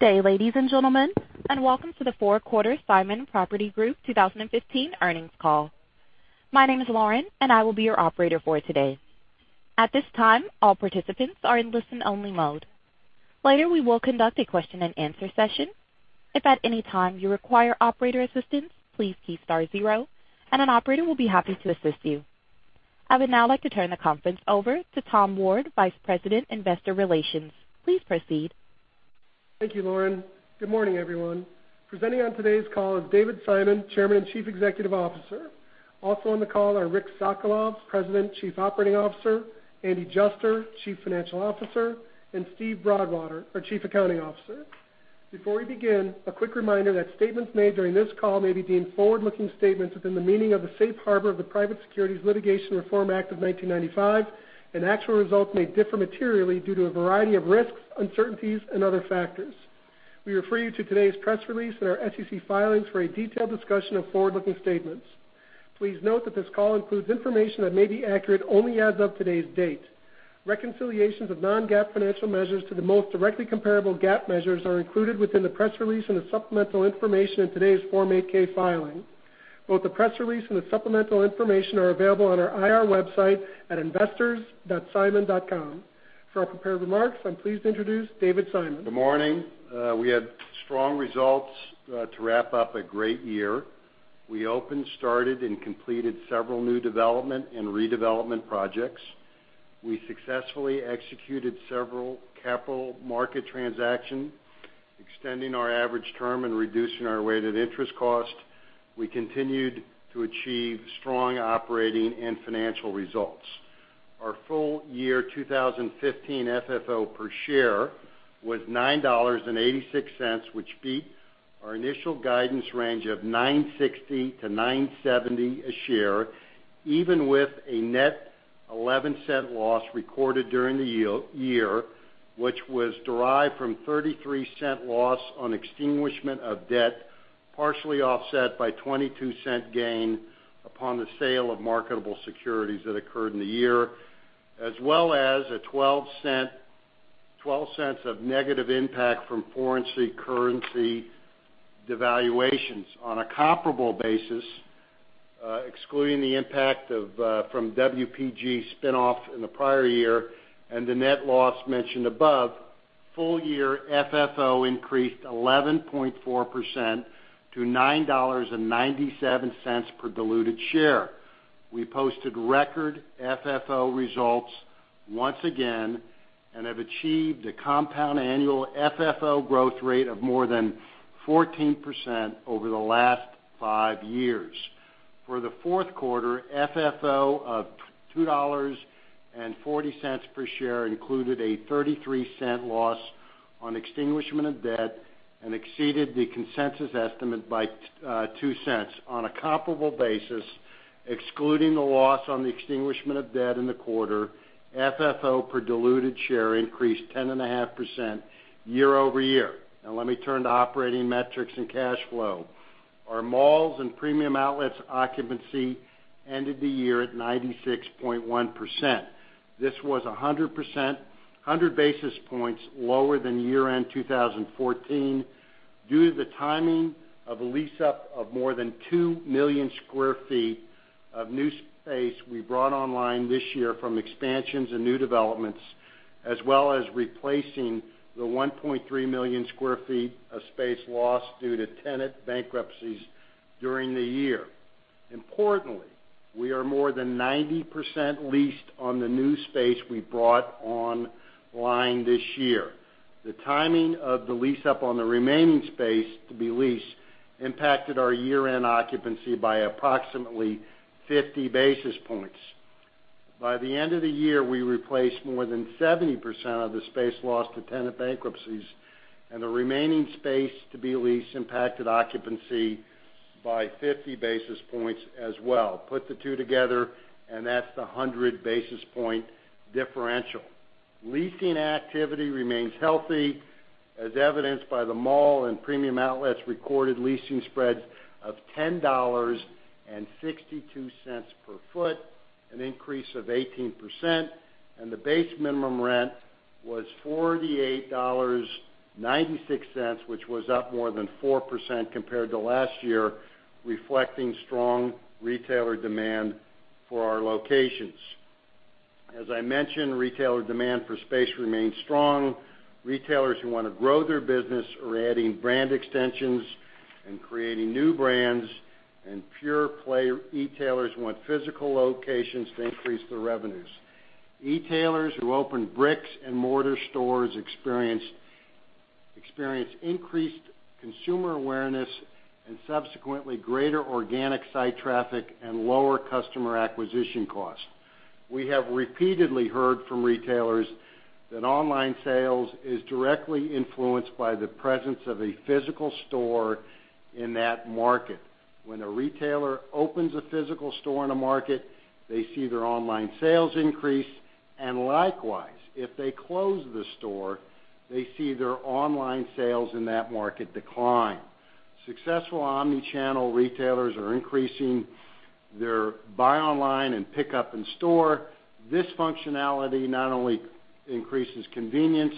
Good day, ladies and gentlemen, and welcome to the fourth quarter Simon Property Group 2015 earnings call. My name is Lauren, and I will be your operator for today. At this time, all participants are in listen-only mode. Later, we will conduct a question-and-answer session. If at any time you require operator assistance, please key star zero and an operator will be happy to assist you. I would now like to turn the conference over to Tom Ward, Vice President, Investor Relations. Please proceed. Thank you, Lauren. Good morning, everyone. Presenting on today's call is David Simon, Chairman and Chief Executive Officer. Also on the call are Rick Sokolov, President, Chief Operating Officer, Andrew Juster, Chief Financial Officer, and Steven Broadwater, our Chief Accounting Officer. Before we begin, a quick reminder that statements made during this call may be deemed forward-looking statements within the meaning of the Safe Harbor of the Private Securities Litigation Reform Act of 1995, and actual results may differ materially due to a variety of risks, uncertainties, and other factors. We refer you to today's press release and our SEC filings for a detailed discussion of forward-looking statements. Please note that this call includes information that may be accurate only as of today's date. Reconciliations of non-GAAP financial measures to the most directly comparable GAAP measures are included within the press release and the supplemental information in today's Form 8-K filing. Both the press release and the supplemental information are available on our IR website at investors.simon.com. For our prepared remarks, I'm pleased to introduce David Simon. Good morning. We had strong results to wrap up a great year. We opened, started, and completed several new development and redevelopment projects. We successfully executed several capital market transactions, extending our average term and reducing our weighted interest cost. We continued to achieve strong operating and financial results. Our full year 2015 FFO per share was $9.86, which beat our initial guidance range of $9.60-$9.70 a share, even with a net $0.11 loss recorded during the year, which was derived from $0.33 loss on extinguishment of debt, partially offset by $0.22 gain upon the sale of marketable securities that occurred in the year, as well as a $0.12 of negative impact from foreign currency devaluations. On a comparable basis, excluding the impact from Washington Prime Group spin-off in the prior year and the net loss mentioned above, full year FFO increased 11.4% to $9.97 per diluted share. We posted record FFO results once again and have achieved a compound annual FFO growth rate of more than 14% over the last five years. For the fourth quarter, FFO of $2.40 per share included a $0.33 loss on extinguishment of debt and exceeded the consensus estimate by $0.02. On a comparable basis, excluding the loss on the extinguishment of debt in the quarter, FFO per diluted share increased 10.5% year-over-year. Let me turn to operating metrics and cash flow. Our malls and premium outlets occupancy ended the year at 96.1%. This was 100 basis points lower than year-end 2014 due to the timing of a lease-up of more than two million sq ft of new space we brought online this year from expansions and new developments, as well as replacing the 1.3 million sq ft of space lost due to tenant bankruptcies during the year. Importantly, we are more than 90% leased on the new space we brought online this year. The timing of the lease-up on the remaining space to be leased impacted our year-end occupancy by approximately 50 basis points. By the end of the year, we replaced more than 70% of the space lost to tenant bankruptcies, and the remaining space to be leased impacted occupancy by 50 basis points as well. Put the two together, and that's the 100 basis point differential. Leasing activity remains healthy, as evidenced by the mall and premium outlets recorded leasing spreads of $10.62 per foot, an increase of 18%, and the base minimum rent was $48.96, which was up more than 4% compared to last year, reflecting strong retailer demand for our locations. I mentioned, retailer demand for space remains strong. Retailers who want to grow their business are adding brand extensions and creating new brands, pure-play e-tailers want physical locations to increase their revenues. E-tailers who open bricks-and-mortar stores experience increased consumer awareness subsequently greater organic site traffic and lower customer acquisition costs. We have repeatedly heard from retailers that online sales is directly influenced by the presence of a physical store in that market. When a retailer opens a physical store in a market, they see their online sales increase, likewise, if they close the store, they see their online sales in that market decline. Successful omni-channel retailers are increasing their buy online and pickup in-store. This functionality not only increases convenience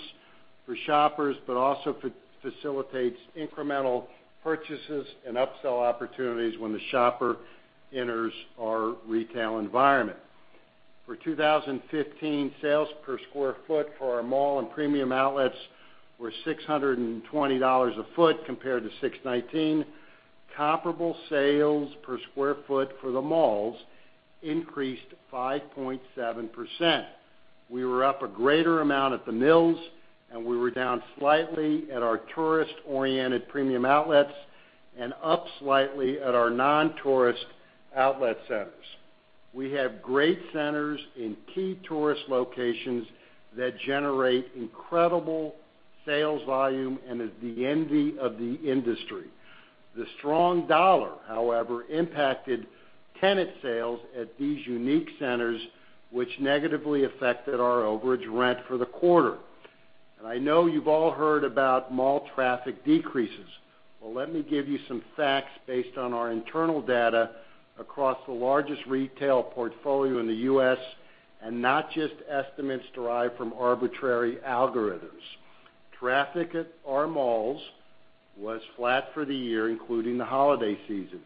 for shoppers but also facilitates incremental purchases and upsell opportunities when the shopper enters our retail environment. For 2015, sales per sq ft for our mall and premium outlets were $620 a foot compared to $619. Comparable sales per sq ft for the malls increased 5.7%. We were up a greater amount at The Mills, we were down slightly at our tourist-oriented premium outlets up slightly at our non-tourist outlet centers. We have great centers in key tourist locations that generate incredible sales volume is the envy of the industry. The strong dollar, however, impacted tenant sales at these unique centers, which negatively affected our overage rent for the quarter. I know you've all heard about mall traffic decreases. Let me give you some facts based on our internal data across the largest retail portfolio in the U.S. and not just estimates derived from arbitrary algorithms. Traffic at our malls was flat for the year, including the holiday season.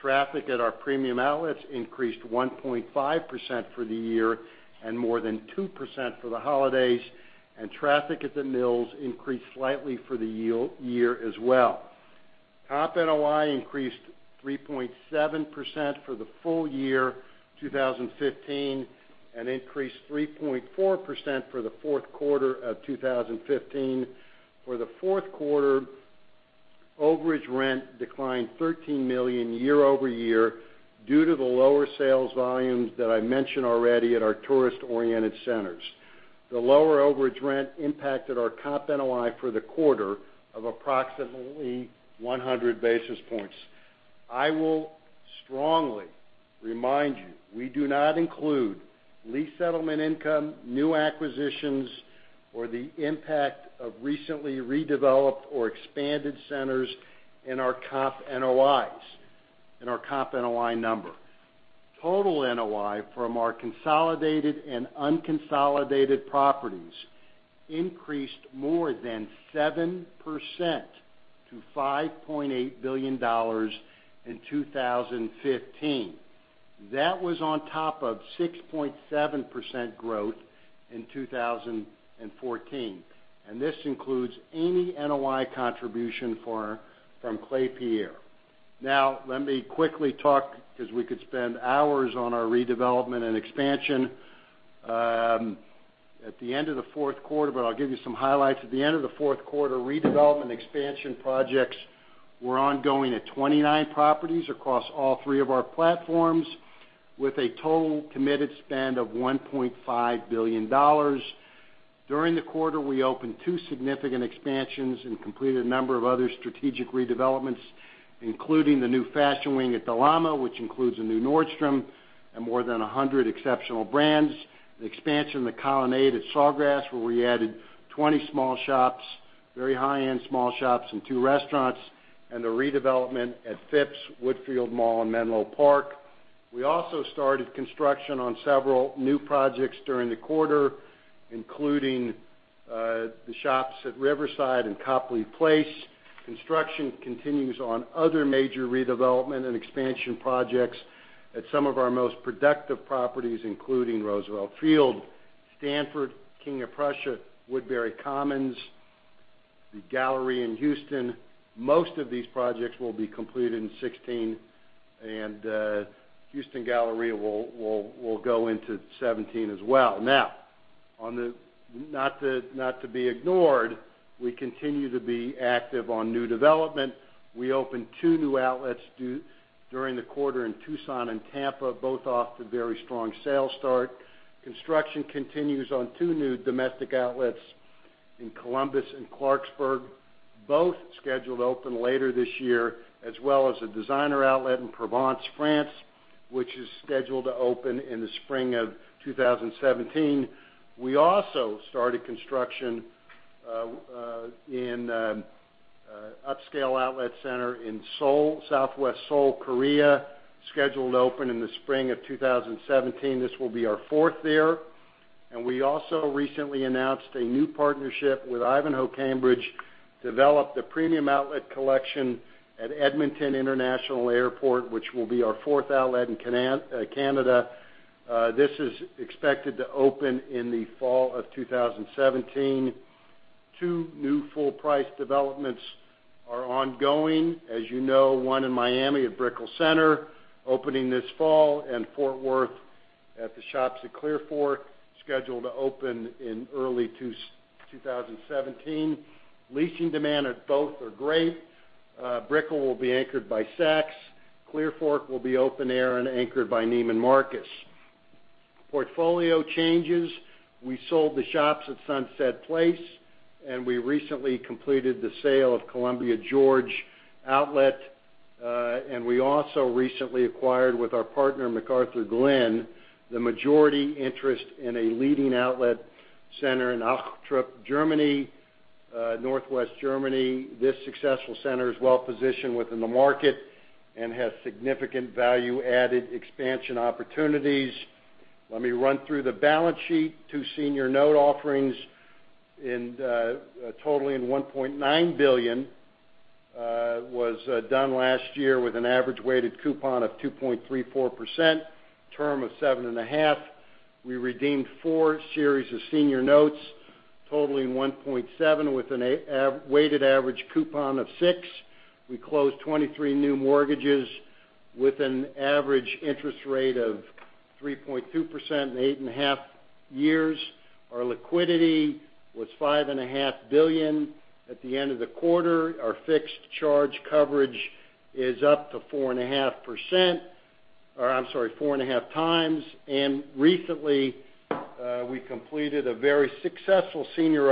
Traffic at our premium outlets increased 1.5% for the year and more than 2% for the holidays. Traffic at The Mills increased slightly for the year as well. Comp NOI increased 3.7% for the full year 2015 and increased 3.4% for the fourth quarter of 2015. For the fourth quarter, overage rent declined $13 million year-over-year due to the lower sales volumes that I mentioned already at our tourist-oriented centers. The lower overage rent impacted our Comp NOI for the quarter of approximately 100 basis points. I will strongly remind you, we do not include lease settlement income, new acquisitions, or the impact of recently redeveloped or expanded centers in our Comp NOI number. Total NOI from our consolidated and unconsolidated properties increased more than 7% to $5.8 billion in 2015. That was on top of 6.7% growth in 2014. This includes any NOI contribution from Klépierre. Let me quickly talk, because we could spend hours on our redevelopment and expansion. At the end of the fourth quarter, I'll give you some highlights. At the end of the fourth quarter, redevelopment expansion projects were ongoing at 29 properties across all three of our platforms, with a total committed spend of $1.5 billion. During the quarter, we opened two significant expansions and completed a number of other strategic redevelopments, including the new fashion wing at Del Amo, which includes a new Nordstrom and more than 100 exceptional brands, an expansion in the colonnade at Sawgrass, where we added 20 small shops, very high-end small shops, two restaurants, and a redevelopment at Phipps, Woodfield Mall, and Menlo Park Mall. We also started construction on several new projects during the quarter, including The Shops at Riverside and Copley Place. Construction continues on other major redevelopment and expansion projects at some of our most productive properties, including Roosevelt Field, Stanford Shopping Center, King of Prussia, Woodbury Common Premium Outlets, The Galleria in Houston. Most of these projects will be completed in 2016. Houston Galleria will go into 2017 as well. Not to be ignored, we continue to be active on new development. We opened two new outlets during the quarter in Tucson and Tampa, both off to very strong sales start. Construction continues on two new domestic outlets in Columbus and Clarksburg, both scheduled to open later this year, as well as a designer outlet in Provence, France, which is scheduled to open in the spring of 2017. We also started construction in an upscale outlet center in southwest Seoul, Korea, scheduled to open in the spring of 2017. This will be our fourth there. We also recently announced a new partnership with Ivanhoé Cambridge to develop the premium outlet collection at Edmonton International Airport, which will be our fourth outlet in Canada. This is expected to open in the fall of 2017. Two new full-price developments are ongoing, as you know, one in Miami at Brickell City Centre, opening this fall, and Fort Worth at the Shops at Clearfork, scheduled to open in early 2017. Leasing demand at both are great. Brickell will be anchored by Saks. Clearfork will be open air and anchored by Neiman Marcus. Portfolio changes. We sold The Shops at Sunset Place, and we recently completed the sale of Columbia Gorge Premium Outlets. We also recently acquired, with our partner, McArthurGlen, the majority interest in a leading outlet center in Ochtrup, Germany, northwest Germany. This successful center is well positioned within the market and has significant value-added expansion opportunities. Let me run through the balance sheet. Two senior note offerings totaling $1.9 billion was done last year with an average weighted coupon of 2.34%, term of 7.5 years. We redeemed four series of senior notes totaling $1.7 billion with a weighted average coupon of 6%. We closed 23 new mortgages with an average interest rate of 3.2% and 8.5 years. Our liquidity was $5.5 billion at the end of the quarter. Our fixed charge coverage is up to 4.5%. 4.5 times. Recently, we completed a very successful senior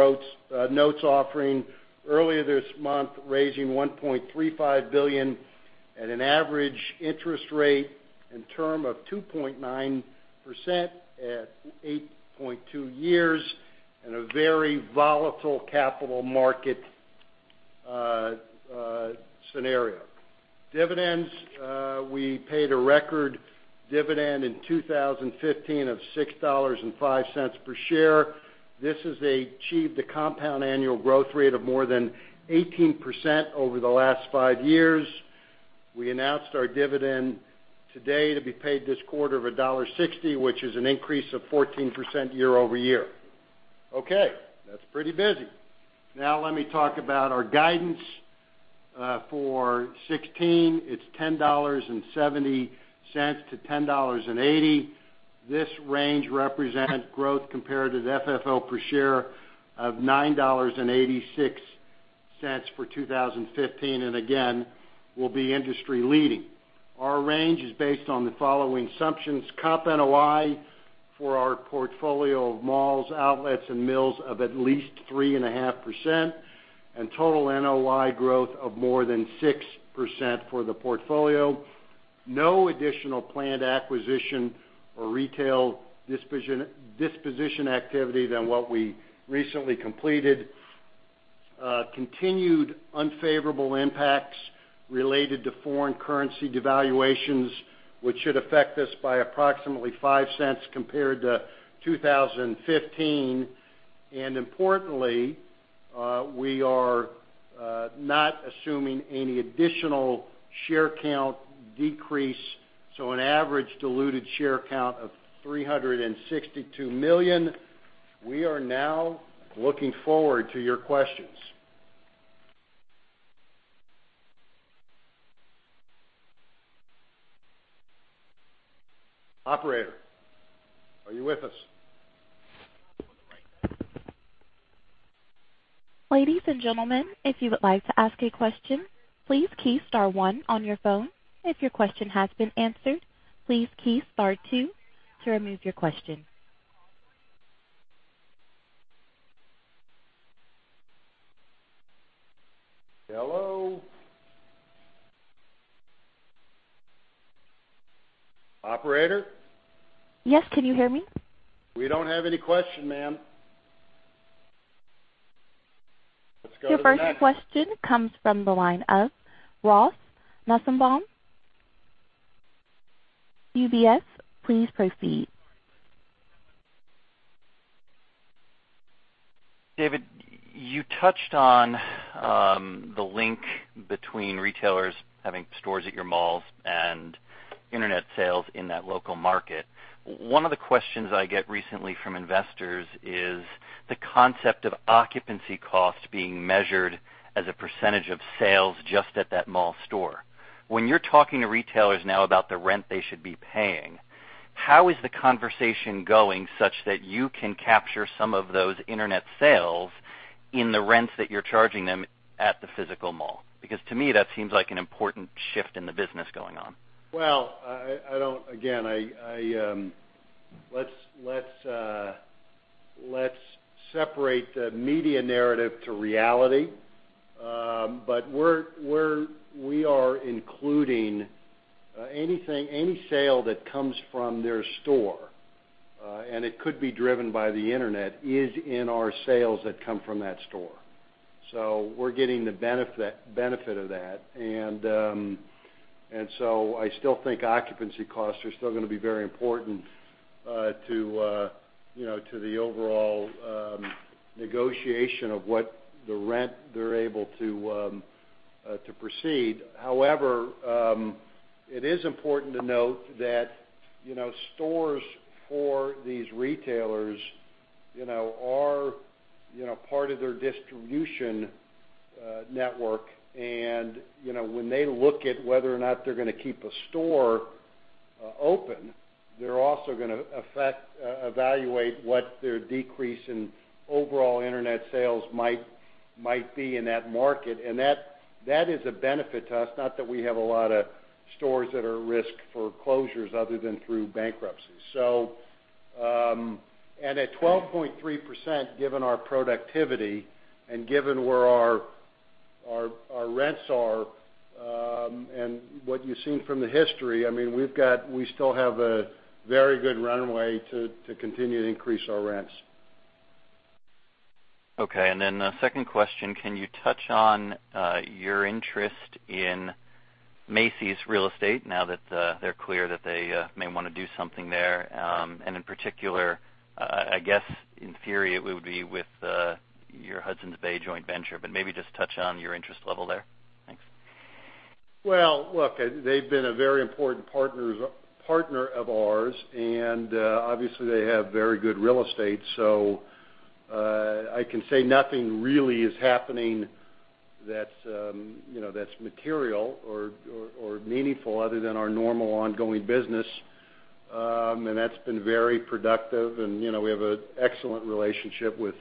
notes offering earlier this month, raising $1.35 billion at an average interest rate and term of 2.9% at 8.2 years in a very volatile capital market scenario. Dividends, we paid a record dividend in 2015 of $6.05 per share. This has achieved a compound annual growth rate of more than 18% over the last five years. We announced our dividend today to be paid this quarter of $1.60, which is an increase of 14% year-over-year. Okay, that's pretty busy. Let me talk about our guidance for 2016. It's $10.70 to $10.80. This range represents growth compared to the FFO per share of $9.86 for 2015, will be industry leading. Our range is based on the following assumptions. Comp NOI for our portfolio of malls, outlets, and Mills of at least 3.5% and total NOI growth of more than 6% for the portfolio. No additional planned acquisition or retail disposition activity than what we recently completed. Continued unfavorable impacts related to foreign currency devaluations, which should affect us by approximately $0.05 compared to 2015. Importantly, we are not assuming any additional share count decrease, so an average diluted share count of 362 million. We are now looking forward to your questions. Operator, are you with us? Ladies and gentlemen, if you would like to ask a question, please key star one on your phone. If your question has been answered, please key star two to remove your question. Hello? Operator? Yes, can you hear me? We don't have any question, ma'am. Let's go to the next. Your first question comes from the line of Ross Nussbaum, UBS. Please proceed. David, you touched on the link between retailers having stores at your malls and internet sales in that local market. One of the questions I get recently from investors is the concept of occupancy cost being measured as a percentage of sales just at that mall store. When you're talking to retailers now about the rent they should be paying, how is the conversation going such that you can capture some of those internet sales in the rents that you're charging them at the physical mall? To me, that seems like an important shift in the business going on. Again, let's separate the media narrative to reality. We are including any sale that comes from their store, and it could be driven by the internet, is in our sales that come from that store. We're getting the benefit of that. I still think occupancy costs are still going to be very important to the overall negotiation of what the rent they're able to proceed. However, it is important to note that stores for these retailers are part of their distribution network, and when they look at whether or not they're going to keep a store open, they're also going to evaluate what their decrease in overall internet sales might be in that market. That is a benefit to us, not that we have a lot of stores that are at risk for closures other than through bankruptcies. At 12.3%, given our productivity and given where our rents are and what you've seen from the history, we still have a very good runway to continue to increase our rents. Okay. The second question, can you touch on your interest in Macy's real estate now that they're clear that they may want to do something there? In particular, I guess, in theory, it would be with your Hudson's Bay joint venture, but maybe just touch on your interest level there. Thanks. Well, look, they've been a very important partner of ours, and obviously, they have very good real estate. I can say nothing really is happening that's material or meaningful other than our normal ongoing business. That's been very productive, and we have an excellent relationship with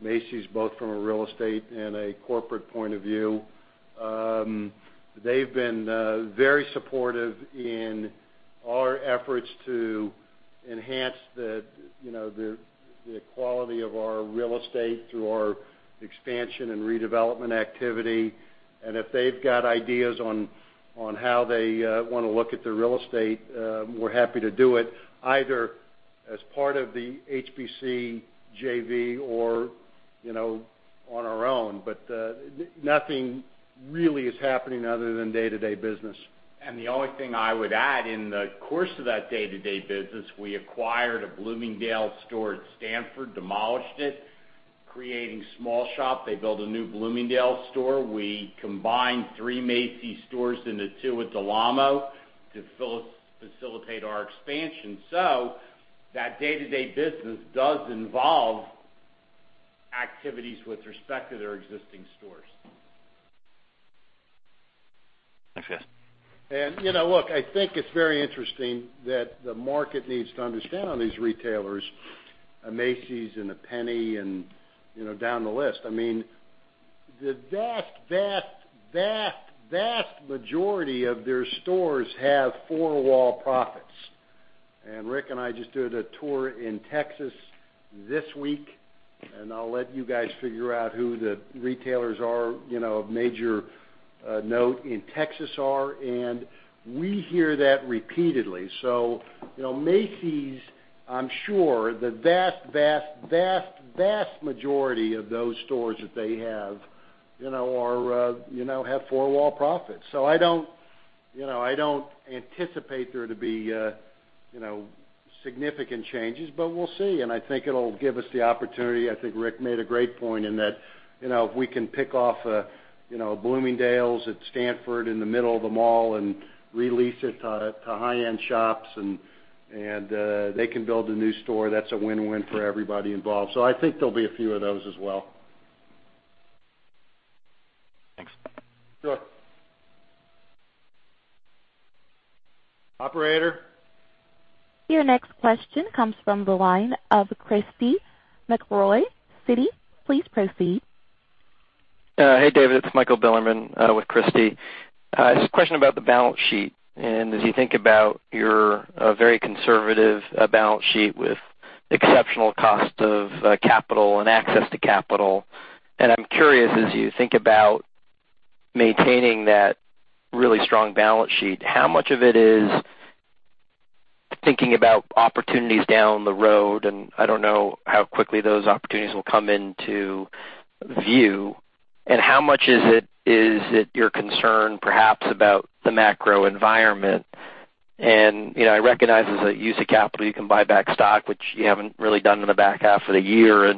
Macy's, both from a real estate and a corporate point of view. They've been very supportive in our efforts to enhance the quality of our real estate through our expansion and redevelopment activity. If they've got ideas on how they want to look at their real estate, we're happy to do it, either as part of the HBC JV or on our own. Nothing really is happening other than day-to-day business. The only thing I would add, in the course of that day-to-day business, we acquired a Bloomingdale's store at Stanford, demolished it, creating small shop. They built a new Bloomingdale's store. We combined three Macy's stores into two at Del Amo to facilitate our expansion. That day-to-day business does involve activities with respect to their existing stores. Thanks, guys. Look, I think it's very interesting that the market needs to understand all these retailers, a Macy's and a Penney and down the list. The vast majority of their stores have four-wall profits. Rick and I just did a tour in Texas this week, I'll let you guys figure out who the retailers are, of major note in Texas are, and we hear that repeatedly. Macy's, I'm sure, the vast majority of those stores that they have have four-wall profits. I don't anticipate there to be significant changes, we'll see. I think it'll give us the opportunity. I think Rick made a great point in that if we can pick off a Bloomingdale's at Stanford in the middle of the mall and re-lease it to high-end shops and they can build a new store, that's a win-win for everybody involved. I think there'll be a few of those as well. Thanks. Sure. Operator. Your next question comes from the line of Christy McElroy, Citi. Please proceed. Hey, David, it's Michael Bilerman with Christy. A question about the balance sheet, as you think about your very conservative balance sheet with exceptional cost of capital and access to capital, I'm curious, as you think about maintaining that really strong balance sheet, how much of it is thinking about opportunities down the road, I don't know how quickly those opportunities will come into view, how much is it your concern, perhaps, about the macro environment? I recognize as a use of capital, you can buy back stock, which you haven't really done in the back half of the year,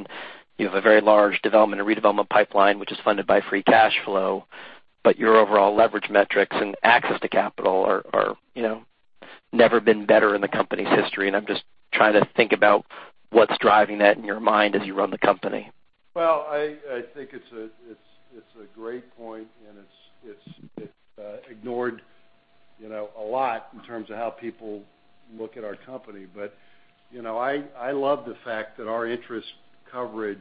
you have a very large development and redevelopment pipeline, which is funded by free cash flow, your overall leverage metrics and access to capital are never been better in the company's history. I'm just trying to think about what's driving that in your mind as you run the company. I think it's a great point and it's ignored a lot in terms of how people look at our company. I love the fact that our interest coverage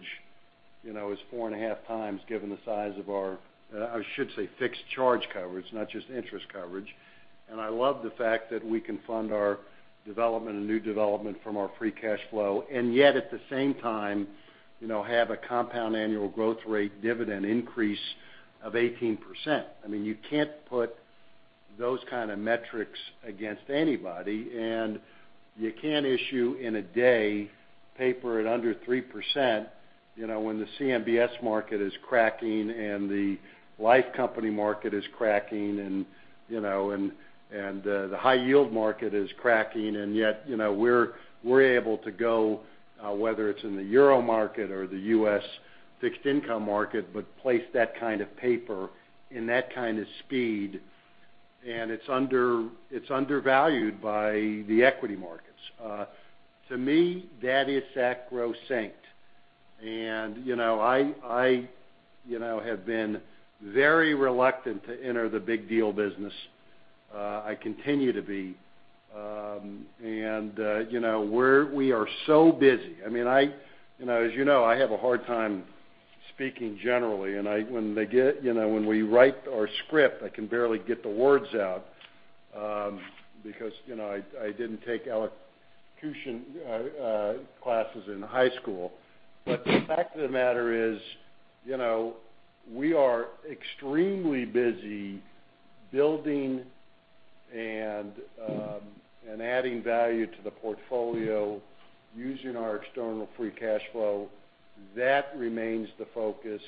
is four and a half times, given the size of our I should say fixed charge coverage, not just interest coverage. I love the fact that we can fund our development and new development from our free cash flow, and yet at the same time, have a compound annual growth rate dividend increase of 18%. You can't put those kind of metrics against anybody, and you can't issue in a day paper at under 3%, when the CMBS market is cracking and the life company market is cracking and the high yield market is cracking. Yet, we're able to go, whether it's in the Euromarket or the U.S. fixed income market, but place that kind of paper and that kind of speed. It's undervalued by the equity markets. To me, that is sacrosanct. I have been very reluctant to enter the big deal business. I continue to be. We are so busy. As you know, I have a hard time Speaking generally, and when we write our script, I can barely get the words out because I didn't take elocution classes in high school. The fact of the matter is, we are extremely busy building and adding value to the portfolio using our external free cash flow. That remains the focus.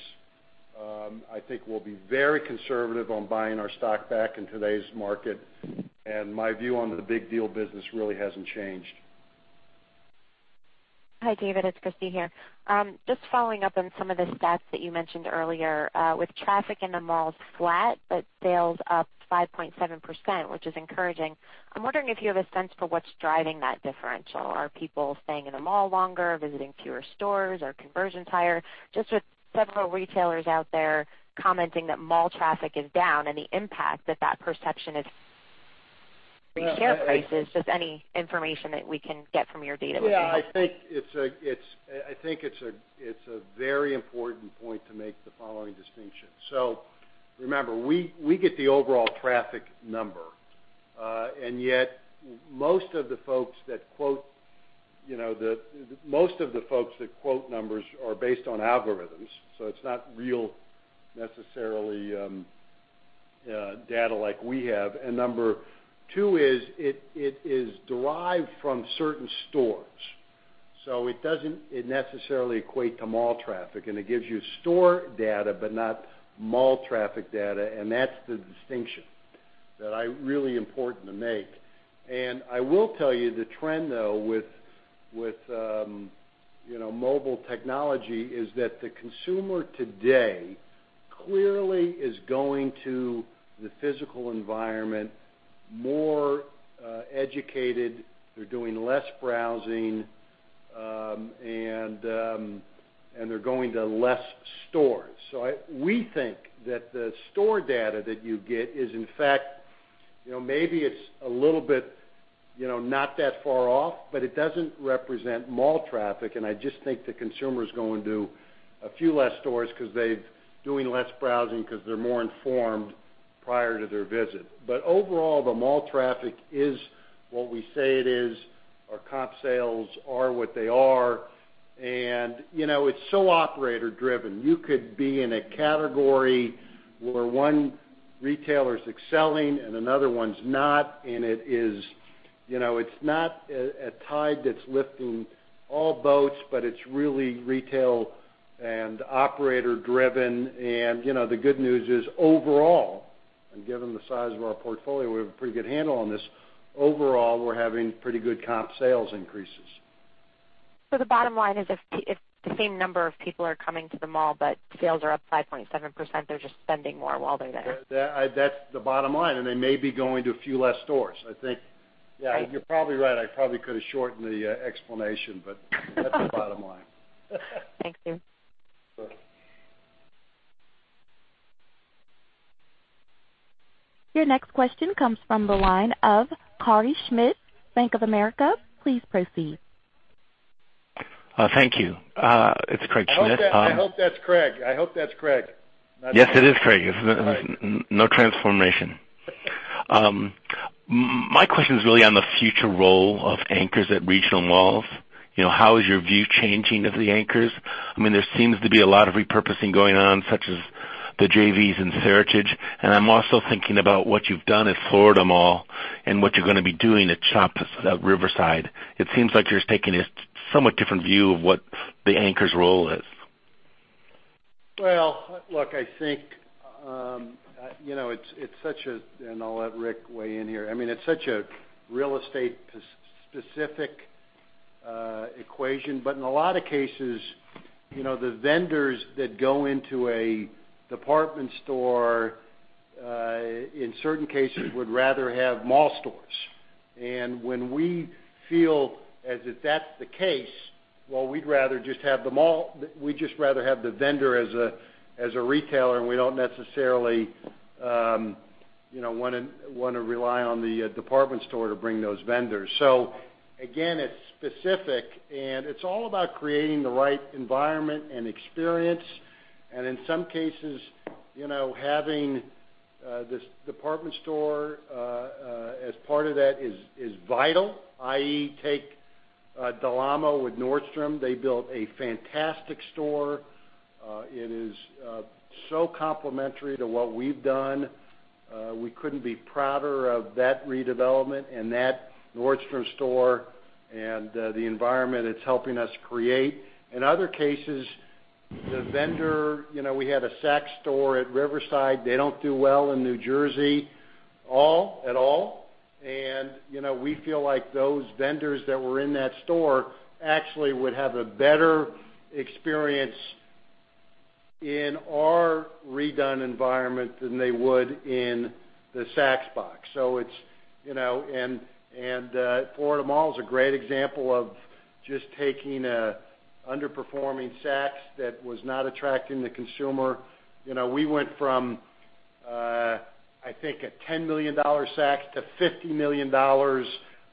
I think we'll be very conservative on buying our stock back in today's market, and my view on the big deal business really hasn't changed. Hi, David. It's Christy here. Just following up on some of the stats that you mentioned earlier. With traffic in the malls flat but sales up 5.7%, which is encouraging, I'm wondering if you have a sense for what's driving that differential. Are people staying in the mall longer, visiting fewer stores? Are conversions higher? Just with several retailers out there commenting that mall traffic is down and the impact that perception is share prices. Just any information that we can get from your data would be helpful. I think it's a very important point to make the following distinction. Remember, we get the overall traffic number. Most of the folks that quote numbers are based on algorithms, so it's not real necessarily data like we have. Number two is, it is derived from certain stores. It doesn't necessarily equate to mall traffic, and it gives you store data but not mall traffic data, and that's the distinction that is really important to make. I will tell you the trend, though, with mobile technology is that the consumer today clearly is going to the physical environment more educated, they're doing less browsing, and they're going to less stores. We think that the store data that you get is, in fact, maybe it's a little bit, not that far off, but it doesn't represent mall traffic, and I just think the consumer's going to a few less stores because they're doing less browsing because they're more informed prior to their visit. Overall, the mall traffic is what we say it is. Our Comp sales are what they are. It's so operator driven. You could be in a category where one retailer's excelling and another one's not, and it's not a tide that's lifting all boats, but it's really retail and operator driven. The good news is overall, and given the size of our portfolio, we have a pretty good handle on this. Overall, we're having pretty good Comp sales increases. The bottom line is if the same number of people are coming to the mall, but sales are up 5.7%, they're just spending more while they're there. That's the bottom line, and they may be going to a few less stores. I think, yeah, you're probably right. I probably could've shortened the explanation, that's the bottom line. Thanks, David. Sure. Your next question comes from the line of Craig Schmidt, Bank of America. Please proceed. Thank you. It's Craig Schmidt. I hope that's Craig. Yes, it is Craig. All right. No transformation. My question is really on the future role of anchors at regional malls. How is your view changing of the anchors? There seems to be a lot of repurposing going on, such as the JVs in Seritage. I'm also thinking about what you've done at Florida Mall and what you're going to be doing at The Shops at Riverside. It seems like you're taking a somewhat different view of what the anchor's role is. Well, look, I'll let Rick weigh in here. It's such a real estate specific equation. In a lot of cases, the vendors that go into a department store, in certain cases, would rather have mall stores. When we feel as if that's the case, well, we'd rather just have the vendor as a retailer, and we don't necessarily want to rely on the department store to bring those vendors. Again, it's specific, it's all about creating the right environment and experience. In some cases, having this department store, as part of that is vital, i.e., take Del Amo with Nordstrom. They built a fantastic store. It is so complementary to what we've done. We couldn't be prouder of that redevelopment and that Nordstrom store and the environment it's helping us create. In other cases, the vendor, we had a Saks store at Riverside. They don't do well in New Jersey at all. We feel like those vendors that were in that store actually would have a better experience in our redone environment than they would in the Saks box. Florida Mall is a great example of just taking an underperforming Saks that was not attracting the consumer. We went from I think a $10 million Saks to $50 million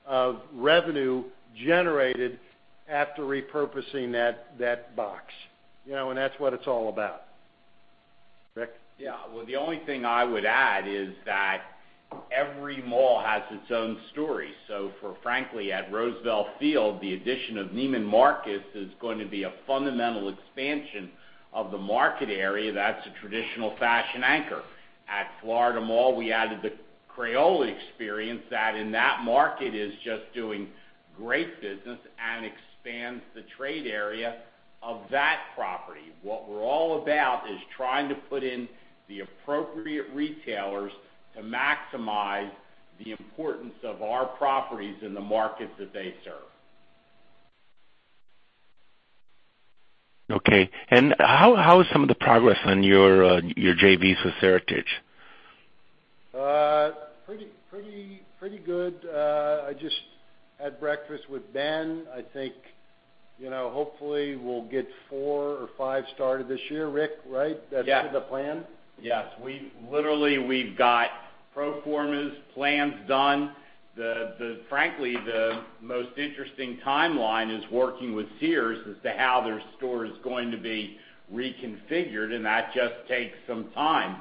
of revenue generated after repurposing that box. That's what it's all about. Rick? Yeah. The only thing I would add is that every mall has its own story. For frankly, at Roosevelt Field, the addition of Neiman Marcus is going to be a fundamental expansion of the market area that's a traditional fashion anchor. At Florida Mall, we added the Crayola Experience, that in that market is just doing great business and expands the trade area of that property. What we're all about is trying to put in the appropriate retailers to maximize the importance of our properties in the markets that they serve. Okay. How is some of the progress on your JVs with Seritage? Pretty good. I just had breakfast with Ben. I think, hopefully, we'll get four or five started this year. Rick, right? Yeah. That's the plan. Yes. Literally, we've got pro formas, plans done. Frankly, the most interesting timeline is working with Sears as to how their store is going to be reconfigured, and that just takes some time.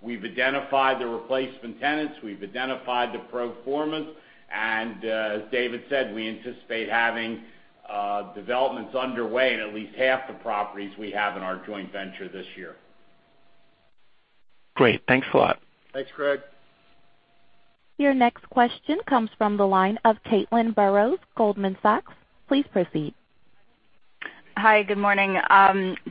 We've identified the replacement tenants, we've identified the pro formas, and as David said, we anticipate having developments underway in at least half the properties we have in our joint venture this year. Great. Thanks a lot. Thanks, Craig. Your next question comes from the line of Caitlin Burrows, Goldman Sachs. Please proceed. Hi, good morning.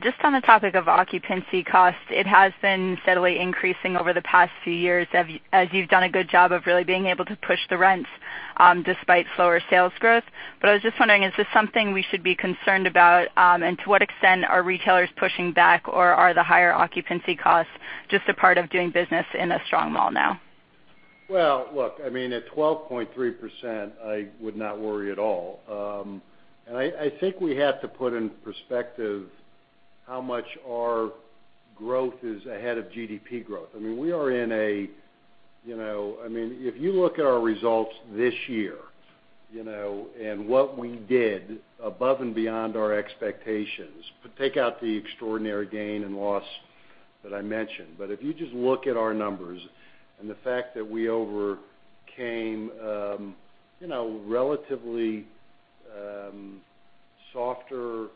Just on the topic of occupancy cost, it has been steadily increasing over the past few years as you've done a good job of really being able to push the rents despite slower sales growth. I was just wondering, is this something we should be concerned about? To what extent are retailers pushing back, or are the higher occupancy costs just a part of doing business in a strong mall now? Well, look, at 12.3%, I would not worry at all. I think we have to put into perspective how much our growth is ahead of GDP growth. If you look at our results this year, what we did above and beyond our expectations, take out the extraordinary gain and loss that I mentioned. If you just look at our numbers and the fact that we overcame, relatively, softer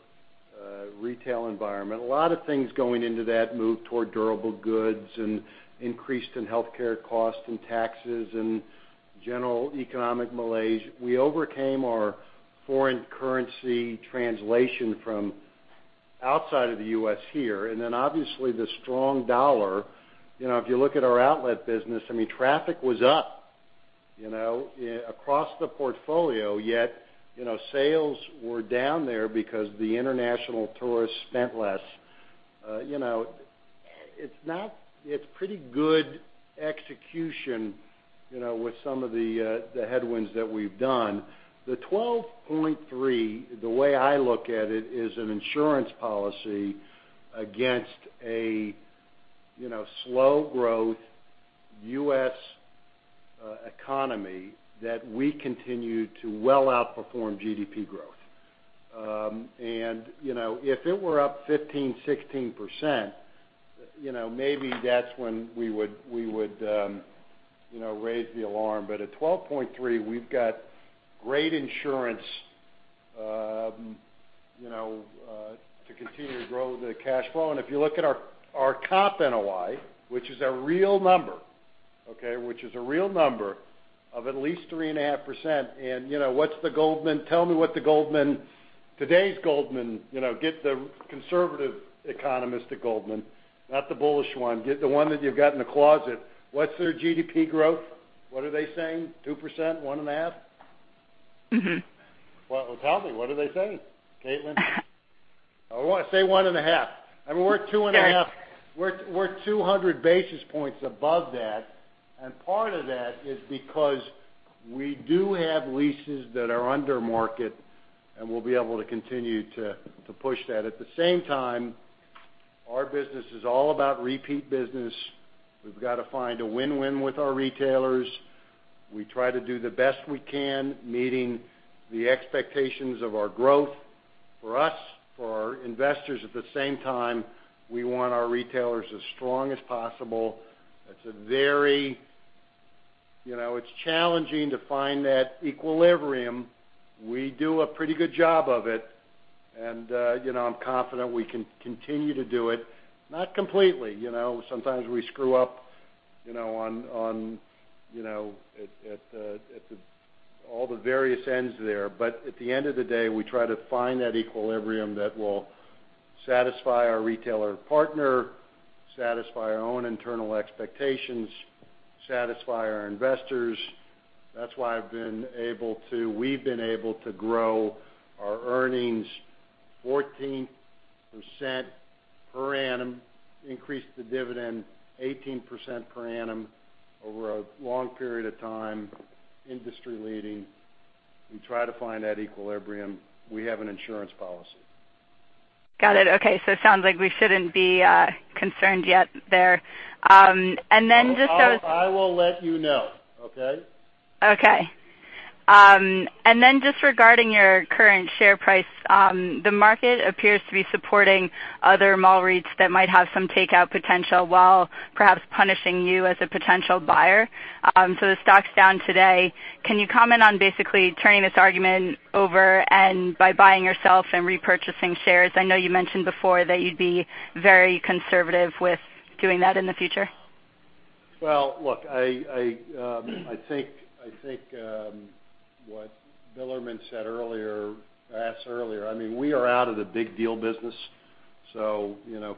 retail environment, a lot of things going into that move toward durable goods and increase in healthcare costs and taxes and general economic malaise. We overcame our foreign currency translation from outside of the U.S. here. Then, obviously, the strong dollar. If you look at our outlet business, traffic was up across the portfolio, yet sales were down there because the international tourists spent less. It's pretty good execution, with some of the headwinds that we've done. The 12.3, the way I look at it, is an insurance policy against a slow growth U.S. economy that we continue to well outperform GDP growth. If it were up 15%-16%, maybe that's when we would raise the alarm. At 12.3, we've got great insurance to continue to grow the cash flow. If you look at our comp NOI, which is a real number, okay? Which is a real number of at least 3.5%. Tell me what the Goldman, today's Goldman, get the conservative economist at Goldman, not the bullish one. Get the one that you've got in the closet. What's their GDP growth? What are they saying? 2%-1.5%? Well, tell me, what are they saying, Caitlin? Say 1.5. We're 2.5% Yes We're 200 basis points above that. Part of that is because we do have leases that are under market, and we'll be able to continue to push that. At the same time, our business is all about repeat business. We've got to find a win-win with our retailers. We try to do the best we can, meeting the expectations of our growth for us, for our investors. At the same time, we want our retailers as strong as possible. It's challenging to find that equilibrium. We do a pretty good job of it, and I'm confident we can continue to do it. Not completely. Sometimes we screw up at all the various ends there. At the end of the day, we try to find that equilibrium that will satisfy our retailer partner, satisfy our own internal expectations, satisfy our investors. That's why we've been able to grow our earnings 14% per annum, increase the dividend 18% per annum over a long period of time, industry leading. We try to find that equilibrium. We have an insurance policy. Got it. Okay. It sounds like we shouldn't be concerned yet there. I will let you know. Okay? Okay. Then just regarding your current share price, the market appears to be supporting other mall REITs that might have some takeout potential, while perhaps punishing you as a potential buyer. The stock's down today. Can you comment on basically turning this argument over and by buying yourself and repurchasing shares? I know you mentioned before that you'd be very conservative with doing that in the future. Well, look, I think what Bilerman asked earlier, we are out of the big deal business.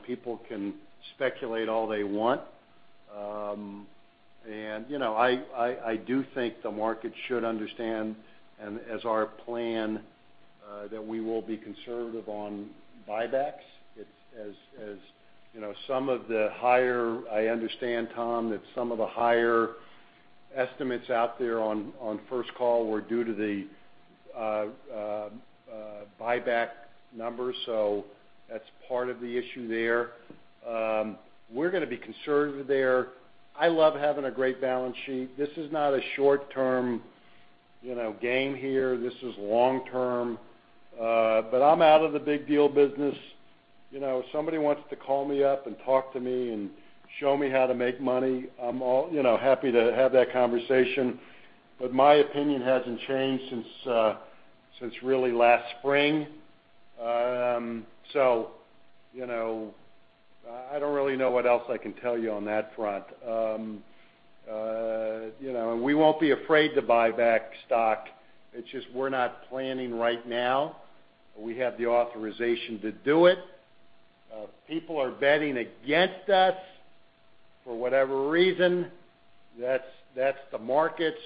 People can speculate all they want. I do think the market should understand and as our plan, that we will be conservative on buybacks. I understand, Tom, that some of the higher estimates out there on First Call were due to the buyback numbers. That's part of the issue there. We're going to be conservative there. I love having a great balance sheet. This is not a short-term game here. This is long term. I'm out of the big deal business. If somebody wants to call me up and talk to me and show me how to make money, I'm happy to have that conversation. My opinion hasn't changed since really last spring. I don't really know what else I can tell you on that front. We won't be afraid to buy back stock. It's just we're not planning right now. We have the authorization to do it. People are betting against us for whatever reason. That's the markets.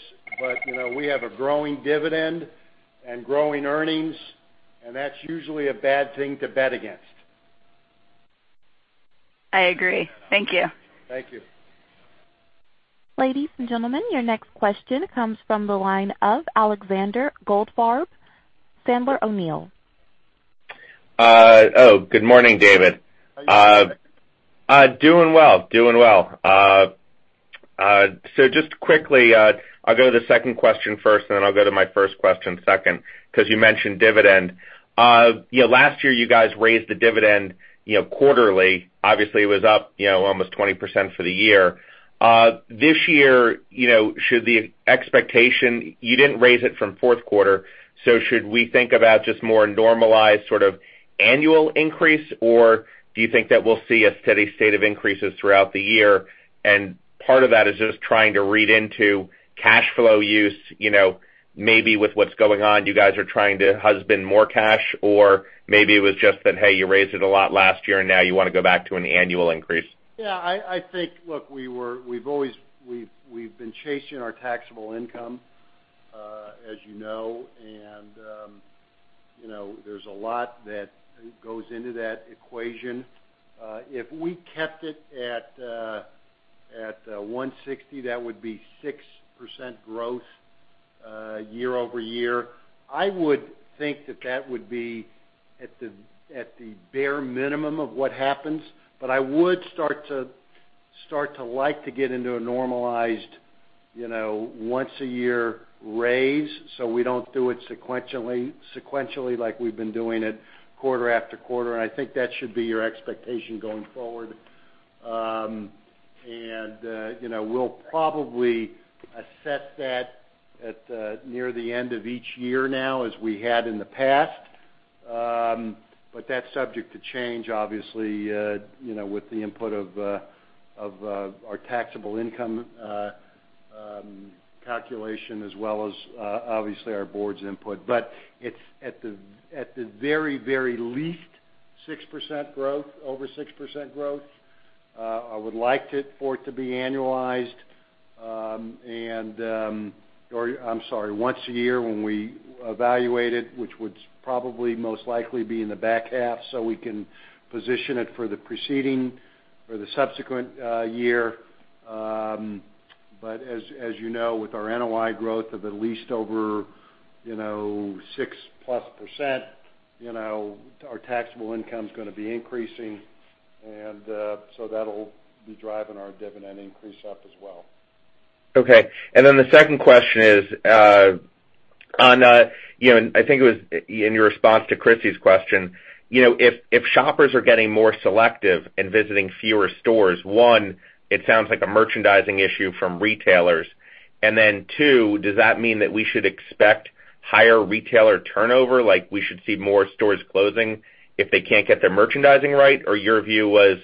We have a growing dividend and growing earnings, and that's usually a bad thing to bet against. I agree. Thank you. Thank you. Ladies and gentlemen, your next question comes from the line of Alexander Goldfarb, Sandler O'Neill. Good morning, David. How are you today? Doing well. Just quickly, I'll go to the second question first, then I'll go to my first question second, because you mentioned dividend. Last year, you guys raised the dividend quarterly. Obviously, it was up almost 20% for the year. This year, you didn't raise it from fourth quarter, should we think about just more normalized sort of annual increase, or do you think that we'll see a steady state of increases throughout the year? Part of that is just trying to read into cash flow use, maybe with what's going on, you guys are trying to husband more cash, or maybe it was just that, hey, you raised it a lot last year, and now you want to go back to an annual increase. Yeah, I think, look, we've been chasing our taxable income, as you know, and there's a lot that goes into that equation. If we kept it at $1.60, that would be 6% growth year-over-year. I would think that that would be at the bare minimum of what happens. I would start to like to get into a normalized once a year raise, so we don't do it sequentially like we've been doing it quarter-after-quarter. I think that should be your expectation going forward. We'll probably assess that at near the end of each year now, as we had in the past. That's subject to change, obviously, with the input of our taxable income calculation as well as obviously our board's input. It's at the very least 6% growth, over 6% growth. I would like for it to be annualized. I'm sorry, once a year when we evaluate it, which would probably most likely be in the back half so we can position it for the preceding or the subsequent year. As you know, with our NOI growth of at least over 6%+, our taxable income's going to be increasing, that'll be driving our dividend increase up as well. Okay. The second question is on, I think it was in your response to Christy's question. If shoppers are getting more selective and visiting fewer stores, 1, it sounds like a merchandising issue from retailers. 2, does that mean that we should expect higher retailer turnover, like we should see more stores closing if they can't get their merchandising right? Your view was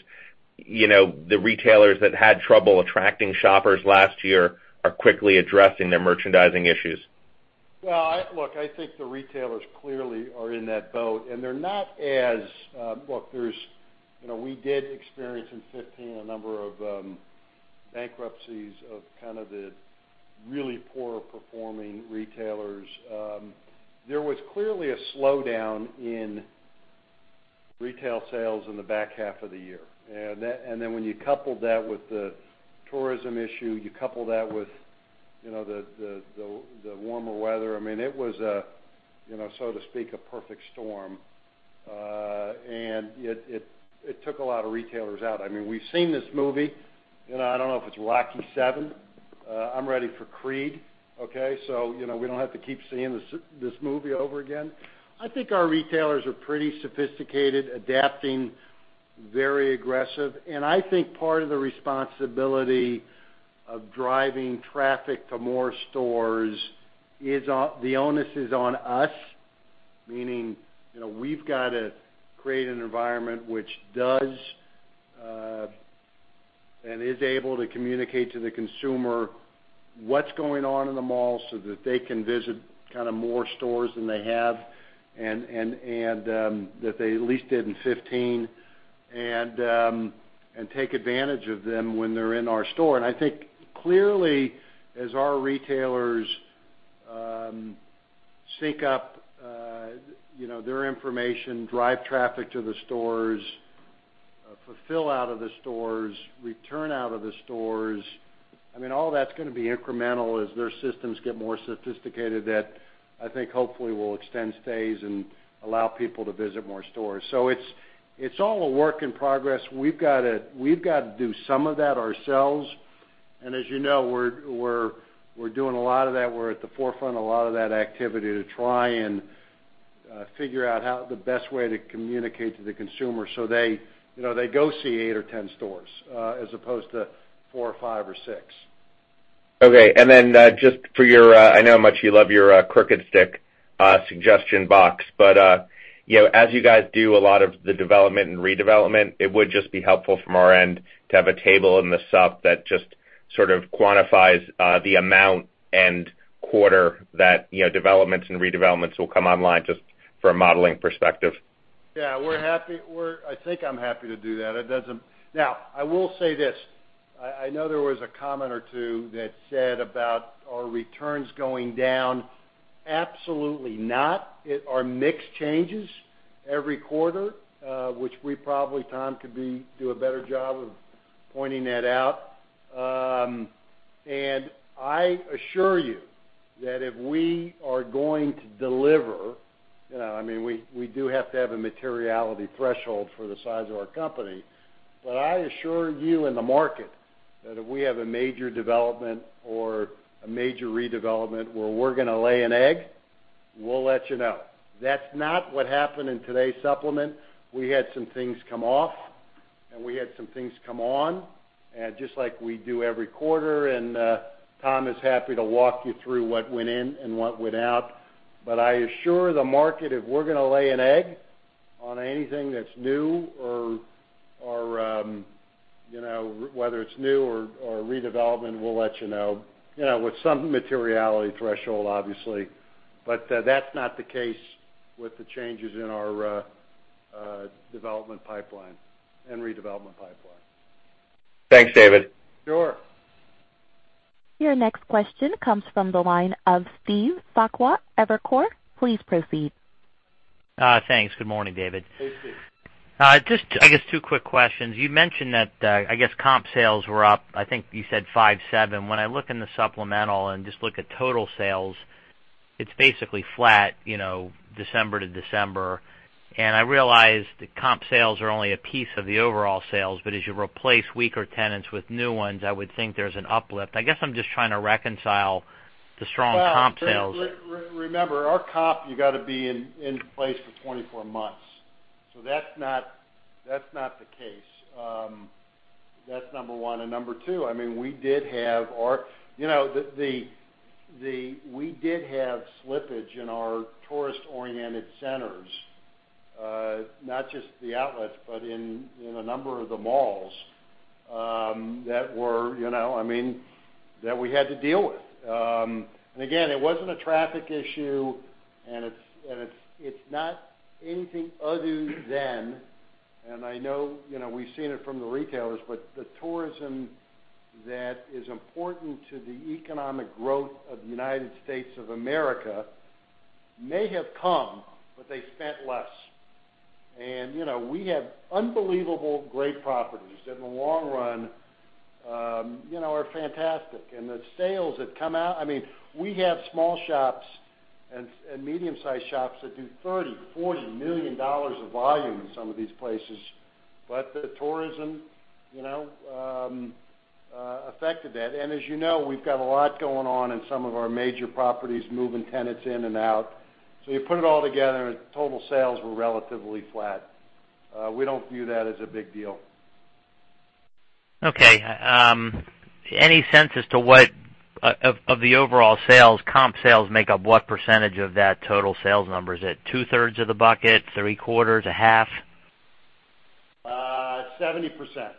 the retailers that had trouble attracting shoppers last year are quickly addressing their merchandising issues? I think the retailers clearly are in that boat. We did experience in 2015, a number of bankruptcies of kind of the really poor performing retailers. There was clearly a slowdown in retail sales in the back half of the year. When you couple that with the tourism issue, you couple that with the warmer weather. It was, so to speak, a perfect storm. It took a lot of retailers out. We've seen this movie, and I don't know if it's "Rocky VII." I'm ready for "Creed," okay? We don't have to keep seeing this movie over again. I think our retailers are pretty sophisticated, adapting, very aggressive, and I think part of the responsibility of driving traffic to more stores is, the onus is on us. Meaning, we've got to create an environment which does, and is able to communicate to the consumer what's going on in the mall so that they can visit more stores than they have, and that they at least did in 2015, and take advantage of them when they're in our store. I think clearly as our retailers sync up their information, drive traffic to the stores, fulfill out of the stores, return out of the stores, all that's going to be incremental as their systems get more sophisticated, that I think hopefully will extend stays and allow people to visit more stores. It's all a work in progress. We've got to do some of that ourselves. As you know, we're doing a lot of that. We're at the forefront of a lot of that activity to try and figure out the best way to communicate to the consumer so they go see eight or 10 stores as opposed to four or five or six. Okay. Then, just for your, I know how much you love your Crooked Stick suggestion box. As you guys do a lot of the development and redevelopment, it would just be helpful from our end to have a table in the sup that just quantifies the amount and quarter that developments and redevelopments will come online just from a modeling perspective. Yeah. I think I'm happy to do that. Now, I will say this, I know there was a comment or two that said about our returns going down. Absolutely not. Our mix changes every quarter, which we probably, Tom could do a better job of pointing that out. I assure you that if we are going to deliver, we do have to have a materiality threshold for the size of our company. I assure you in the market that if we have a major development or a major redevelopment where we're going to lay an egg, we'll let you know. That's not what happened in today's supplement. We had some things come off, and we had some things come on, just like we do every quarter, Tom is happy to walk you through what went in and what went out. I assure the market, if we're going to lay an egg on anything that's new or, whether it's new or redevelopment, we'll let you know. With some materiality threshold, obviously. That's not the case with the changes in our development pipeline and redevelopment pipeline. Thanks, David. Sure. Your next question comes from the line of Steve Sakwa, Evercore. Please proceed. Thanks. Good morning, David. Hey, Steve. Just, I guess, two quick questions. You mentioned that, I guess, comp sales were up, I think you said 5%-7%. When I look in the supplemental and just look at total sales, it's basically flat December to December. I realize that comp sales are only a piece of the overall sales, but as you replace weaker tenants with new ones, I would think there's an uplift. I guess I'm just trying to reconcile the strong comp sales. Remember, our comp, you got to be in place for 24 months. That's not the case. That's number 1 and number 2, we did have slippage in our tourist-oriented centers. Not just the outlets, but in a number of the malls, that we had to deal with. Again, it wasn't a traffic issue. It's not anything other than, I know we've seen it from the retailers, the tourism that is important to the economic growth of the United States of America may have come, but they spent less. We have unbelievable, great properties that in the long run are fantastic. The sales that come out, we have small shops and medium-sized shops that do $30, $40 million of volume in some of these places. The tourism affected that. As you know, we've got a lot going on in some of our major properties, moving tenants in and out. You put it all together and total sales were relatively flat. We don't view that as a big deal. Okay. Any sense as to what, of the overall sales, comp sales make up what percentage of that total sales number? Is it two-thirds of the bucket, three-quarters, a half? 70%.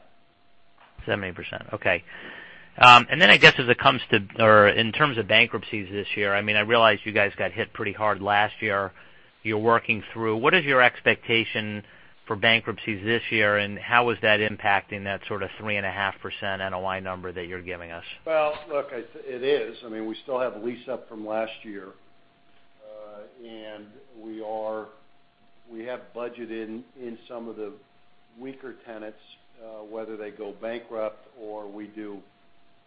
I guess as it comes to or in terms of bankruptcies this year, I realize you guys got hit pretty hard last year. You're working through. What is your expectation for bankruptcies this year, and how is that impacting that sort of 3.5% NOI number that you're giving us? Well, look, it is. We still have lease up from last year. We have budgeted in some of the weaker tenants, whether they go bankrupt or we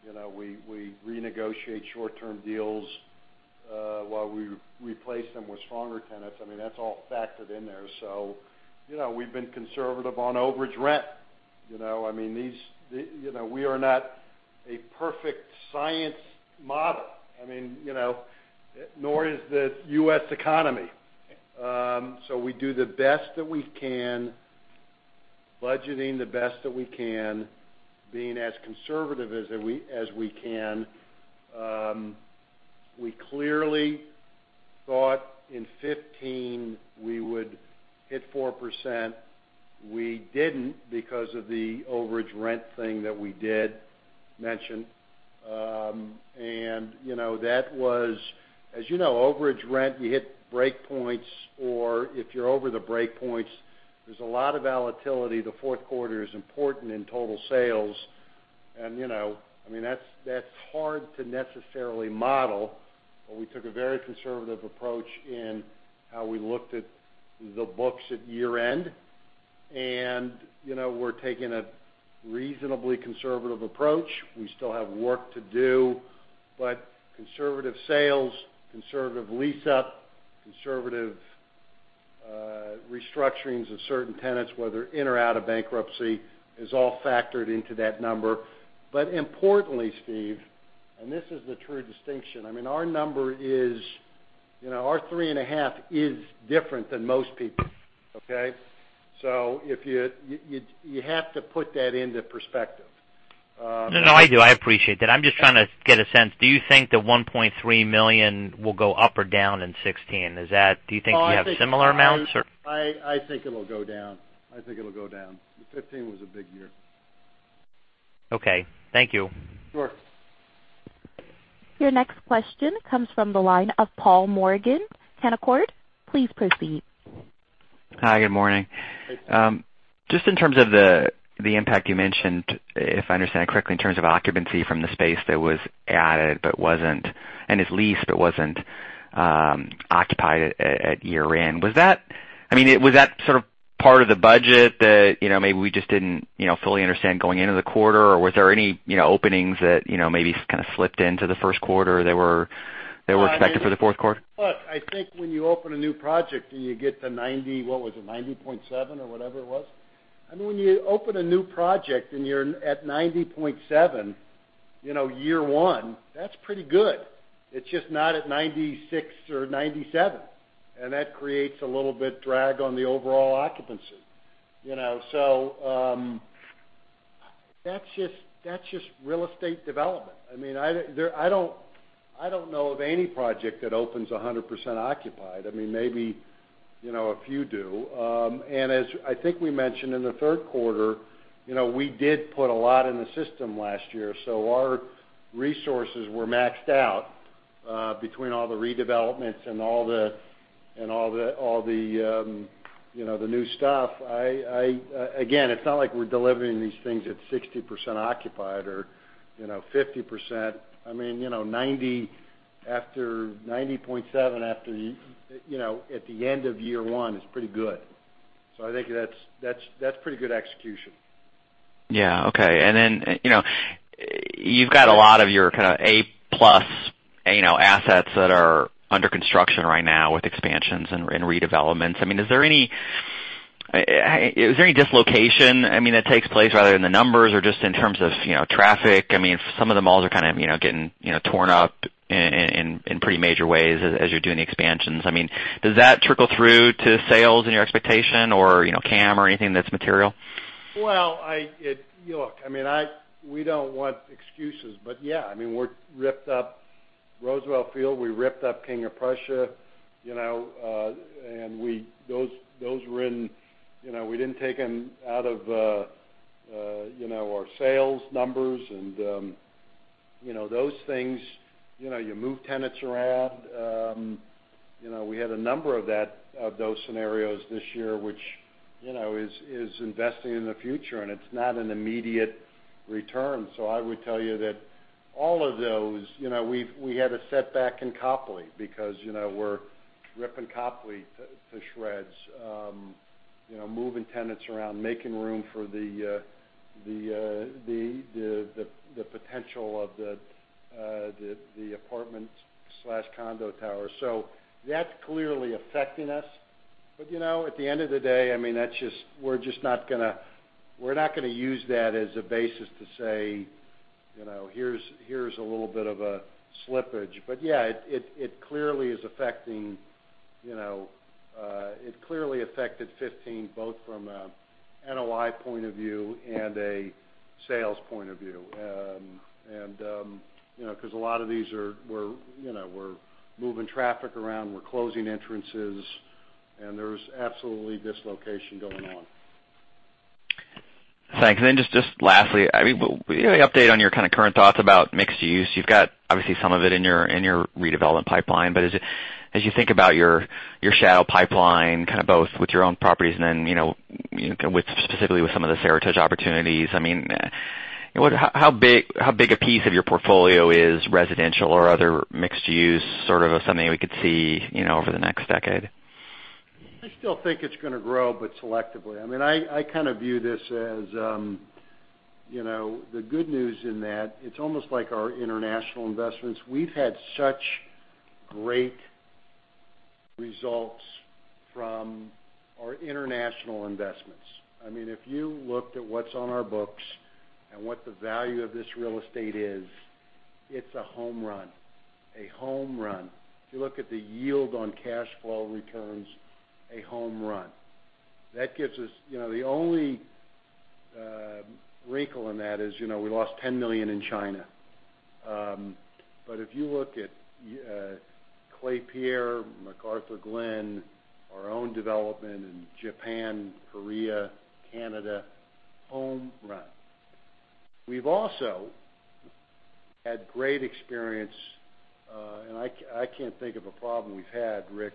renegotiate short-term deals while we replace them with stronger tenants. That's all factored in there. We've been conservative on overage rent. We are not a perfect science model, nor is the U.S. economy. We do the best that we can, budgeting the best that we can, being as conservative as we can. We clearly thought in 2015 we would hit 4%. We didn't because of the overage rent thing that we did mention. As you know, overage rent, we hit break points, or if you're over the break points, there's a lot of volatility. The fourth quarter is important in total sales. That's hard to necessarily model, but we took a very conservative approach in how we looked at the books at year-end, and we're taking a reasonably conservative approach. We still have work to do, but conservative sales, conservative lease-up, conservative restructurings of certain tenants, whether in or out of bankruptcy, is all factored into that number. Importantly, Steve, and this is the true distinction, our 3.5% is different than most people's. Okay? You have to put that into perspective. No, I do. I appreciate that. I'm just trying to get a sense. Do you think the 1.3 million will go up or down in 2016? Do you think you have similar amounts, or? I think it'll go down. 2015 was a big year. Okay. Thank you. Sure. Your next question comes from the line of Paul Morgan, Canaccord. Please proceed. Hi, good morning. Hey. In terms of the impact you mentioned, if I understand correctly, in terms of occupancy from the space that was added and is leased, but wasn't occupied at year-end. Was that sort of part of the budget that maybe we just didn't fully understand going into the quarter, or was there any openings that maybe kind of slipped into the first quarter that were expected for the fourth quarter? I think when you open a new project and you get to 90.7% or whatever it was. When you open a new project and you're at 90.7%, year one, that's pretty good. It's just not at 96% or 97%. That creates a little bit drag on the overall occupancy. That's just real estate development. I don't know of any project that opens 100% occupied. Maybe a few do. As I think we mentioned in the third quarter, we did put a lot in the system last year, so our resources were maxed out between all the redevelopments and all the new stuff. Again, it's not like we're delivering these things at 60% occupied or 50%. 90.7% at the end of year one is pretty good. I think that's pretty good execution. Yeah. Okay. Then, you've got a lot of your kind of A plus assets that are under construction right now with expansions and redevelopments. Is there any dislocation that takes place rather in the numbers or just in terms of traffic? Some of the malls are kind of getting torn up in pretty major ways as you're doing the expansions. Does that trickle through to sales in your expectation or CAM or anything that's material? We don't want excuses, yeah. We ripped up Roosevelt Field, we ripped up King of Prussia. We didn't take them out of our sales numbers and those things. You move tenants around. We had a number of those scenarios this year, which is investing in the future. It's not an immediate return. I would tell you that we had a setback in Copley because we're ripping Copley to shreds, moving tenants around, making room for the potential of the apartment/condo tower. That's clearly affecting us. At the end of the day, we're not going to use that as a basis to say, "Here's a little bit of a slippage." Yeah, it clearly affected 2015, both from a NOI point of view and a sales point of view. A lot of these, we're moving traffic around, we're closing entrances. There's absolutely dislocation going on. Thanks. Then just lastly, an update on your kind of current thoughts about mixed use. You've got, obviously, some of it in your redevelopment pipeline. As you think about your shadow pipeline, kind of both with your own properties and then specifically with some of the Seritage opportunities, how big a piece of your portfolio is residential or other mixed use, something we could see over the next decade? I still think it's going to grow, selectively. I view this as the good news in that it's almost like our international investments. We've had such great results from our international investments. If you looked at what's on our books and what the value of this real estate is, it's a home run. A home run. If you look at the yield on cash flow returns, a home run. The only wrinkle in that is we lost $10 million in China. If you look at Klépierre, McArthurGlen, our own development in Japan, Korea, Canada, home run. We've also had great experience. I can't think of a problem we've had, Rick,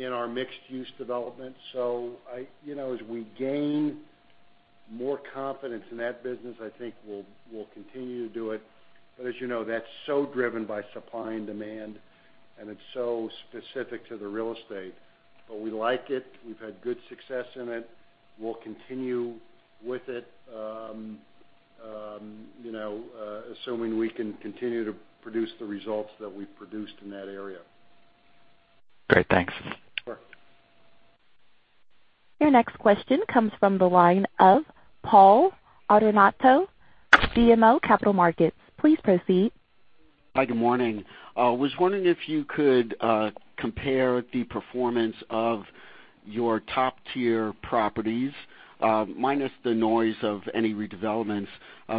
in our mixed use development. As we gain more confidence in that business, I think we'll continue to do it. As you know, that's so driven by supply and demand, and it's so specific to the real estate. We like it. We've had good success in it. We'll continue with it, assuming we can continue to produce the results that we've produced in that area. Great. Thanks. Sure. Your next question comes from the line of Paul Adornato, BMO Capital Markets. Please proceed. Hi, good morning. I was wondering if you could compare the performance of your top-tier properties, minus the noise of any redevelopments,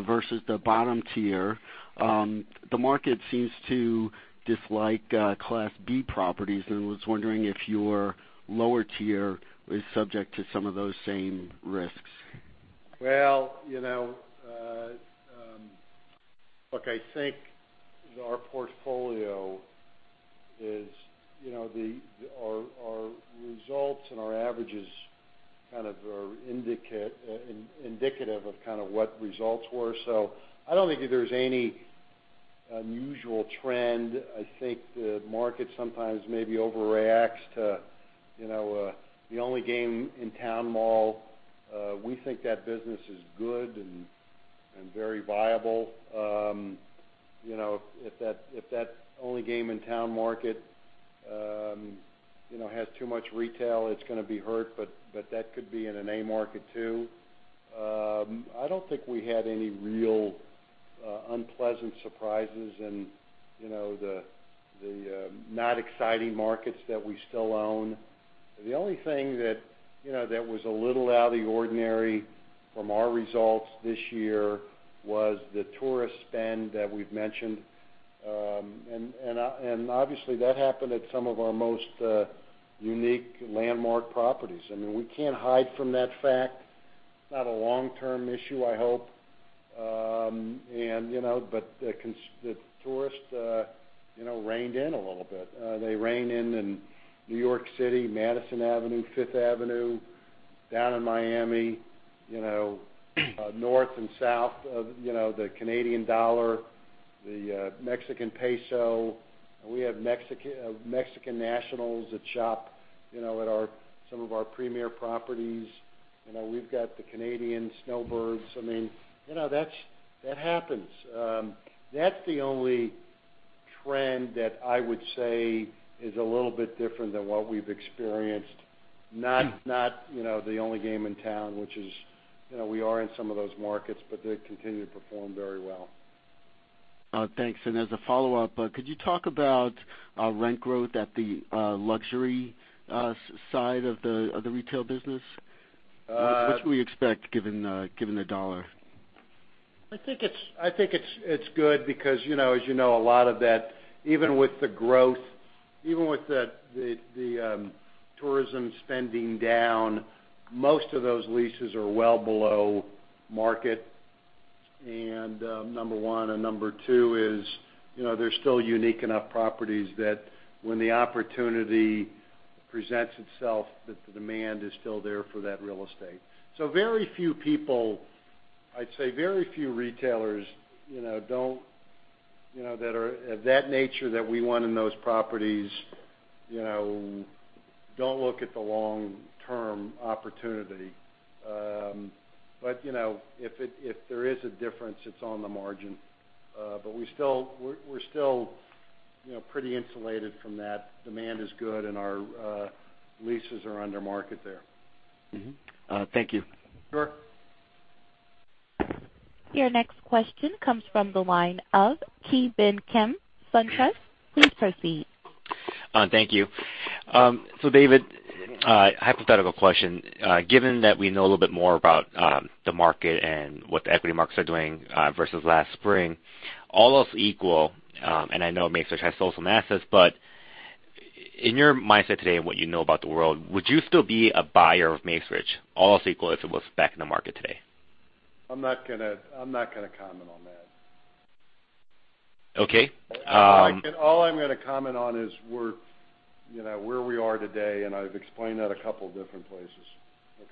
versus the bottom tier. The market seems to dislike Class B properties, and I was wondering if your lower tier is subject to some of those same risks. I think our results and our averages are indicative of what results were. I don't think there's any unusual trend. I think the market sometimes maybe overreacts to the only game in town mall. We think that business is good and very viable. If that only game in town market has too much retail, it's going to be hurt, but that could be in an A market, too. I don't think we had any real unpleasant surprises in the not exciting markets that we still own. The only thing that was a little out of the ordinary from our results this year was the tourist spend that we've mentioned. Obviously, that happened at some of our most unique landmark properties. We can't hide from that fact. It's not a long-term issue, I hope. The tourists reigned in a little bit. They reigned in in New York City, Madison Avenue, Fifth Avenue, down in Miami, north and south of the Canadian dollar, the Mexican peso. We have Mexican nationals that shop at some of our premier properties. We've got the Canadian snowbirds. That happens. That's the only trend that I would say is a little bit different than what we've experienced. Not the only game in town, which is we are in some of those markets, they continue to perform very well. Thanks. As a follow-up, could you talk about rent growth at the luxury side of the retail business? What should we expect given the U.S. dollar? I think it's good because, as you know, a lot of that, even with the growth, even with the tourism spending down, most of those leases are well below market, number one. Number two is they're still unique enough properties that when the opportunity presents itself, the demand is still there for that real estate. Very few people, I'd say very few retailers of that nature that we want in those properties don't look at the long-term opportunity. If there is a difference, it's on the margin. We're still pretty insulated from that. Demand is good, our leases are under market there. Mm-hmm. Thank you. Sure. Your next question comes from the line of Ki Bin Kim, SunTrust. Please proceed. Thank you. David, hypothetical question. Given that we know a little bit more about the market and what the equity markets are doing versus last spring, all else equal, and I know Macerich has sold some assets, but in your mindset today and what you know about the world, would you still be a buyer of Macerich, all else equal, if it was back in the market today? I'm not going to comment on that. Okay. All I'm going to comment on is where we are today. I've explained that a couple different places.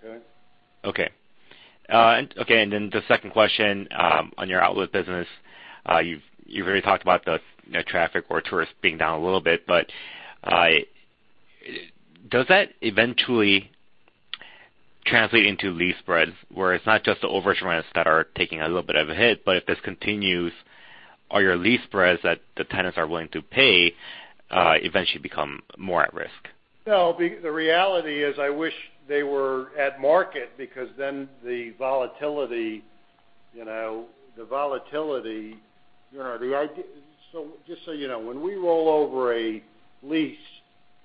Okay? Okay. The second question on your outlet business. You've already talked about the traffic or tourists being down a little bit. Does that eventually translate into lease spreads where it's not just the overage rents that are taking a little bit of a hit, if this continues, are your lease spreads that the tenants are willing to pay eventually become more at risk? No, the reality is, I wish they were at market because then the volatility Just so you know, when we roll over a lease,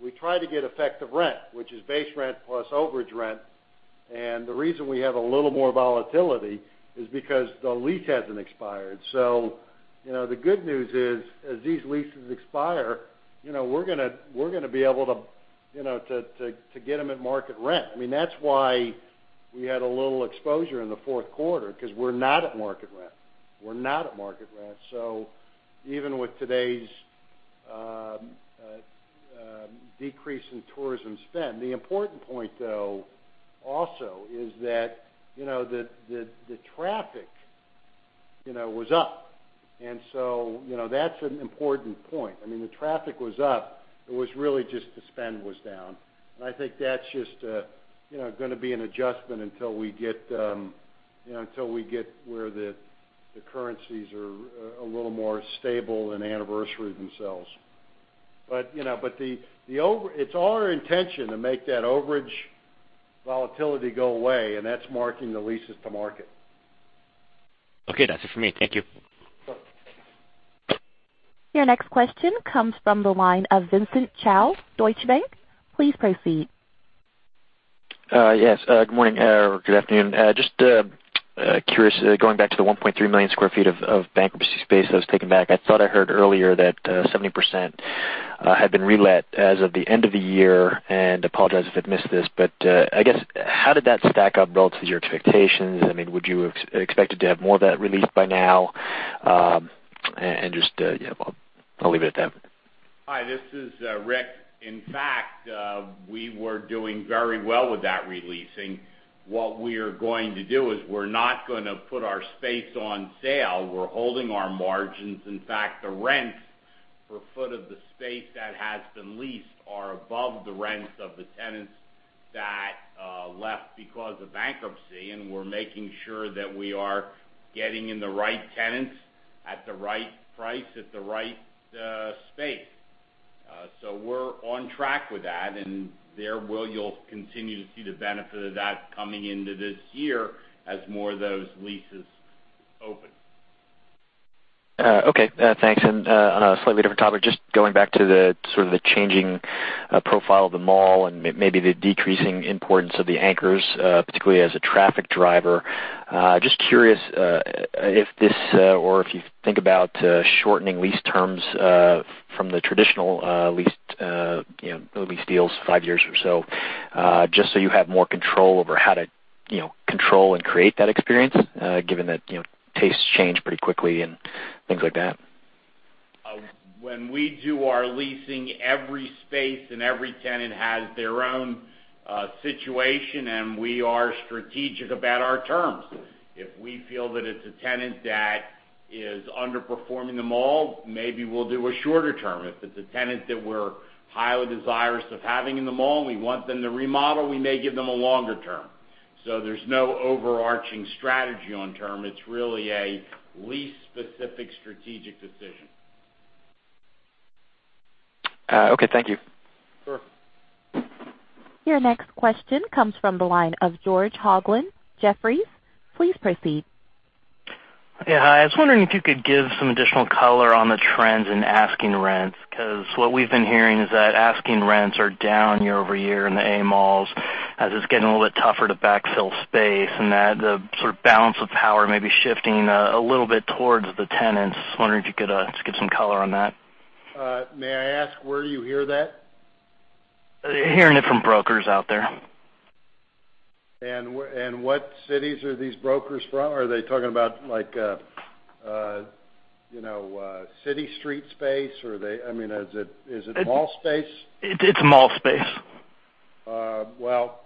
we try to get effective rent, which is base rent plus overage rent. The reason we have a little more volatility is because the lease hasn't expired. The good news is, as these leases expire, we're going to be able to get them at market rent. That's why we had a little exposure in the fourth quarter, because we're not at market rent. Even with today's decrease in tourism spend, the important point, though, also is that the traffic was up. That's an important point. The traffic was up, it was really just the spend was down. I think that's just going to be an adjustment until we get where the currencies are a little more stable and anniversary themselves. It's our intention to make that overage volatility go away, and that's marking the leases to market. Okay, that's it for me. Thank you. Sure. Your next question comes from the line of Vincent Chao, Deutsche Bank. Please proceed. Yes, good morning or good afternoon. Just curious, going back to the 1.3 million square feet of bankruptcy space that was taken back, I thought I heard earlier that 70% had been relet as of the end of the year. Apologize if I'd missed this, but I guess, how did that stack up relative to your expectations? Would you have expected to have more of that re-leased by now? Just, yeah, I'll leave it at that. Hi, this is Rick. In fact, we were doing very well with that re-leasing. What we're going to do is we're not going to put our space on sale. We're holding our margins. In fact, the rents per foot of the space that has been leased are above the rents of the tenants that left because of bankruptcy. We're making sure that we are getting in the right tenants at the right price, at the right space. We're on track with that. There, you'll continue to see the benefit of that coming into this year as more of those leases open. Okay, thanks. On a slightly different topic, just going back to the sort of the changing profile of the mall and maybe the decreasing importance of the anchors, particularly as a traffic driver. Just curious, if this, or if you think about shortening lease terms from the traditional lease deals to 5 years or so, just so you have more control over how to control and create that experience, given that tastes change pretty quickly and things like that. When we do our leasing, every space and every tenant has their own situation, we are strategic about our terms. If we feel that it's a tenant that is underperforming the mall, maybe we'll do a shorter term. If it's a tenant that we're highly desirous of having in the mall, and we want them to remodel, we may give them a longer term. There's no overarching strategy on term. It's really a lease-specific strategic decision. Okay, thank you. Sure. Your next question comes from the line of George Hoglund, Jefferies. Please proceed. Yeah, hi. I was wondering if you could give some additional color on the trends in asking rents, because what we've been hearing is that asking rents are down year-over-year in the A malls as it's getting a little bit tougher to backfill space, and that the sort of balance of power may be shifting a little bit towards the tenants. Wondering if you could give some color on that. May I ask where you hear that? Hearing it from brokers out there. What cities are these brokers from? Are they talking about city street space, or is it mall space? It's mall space. Well,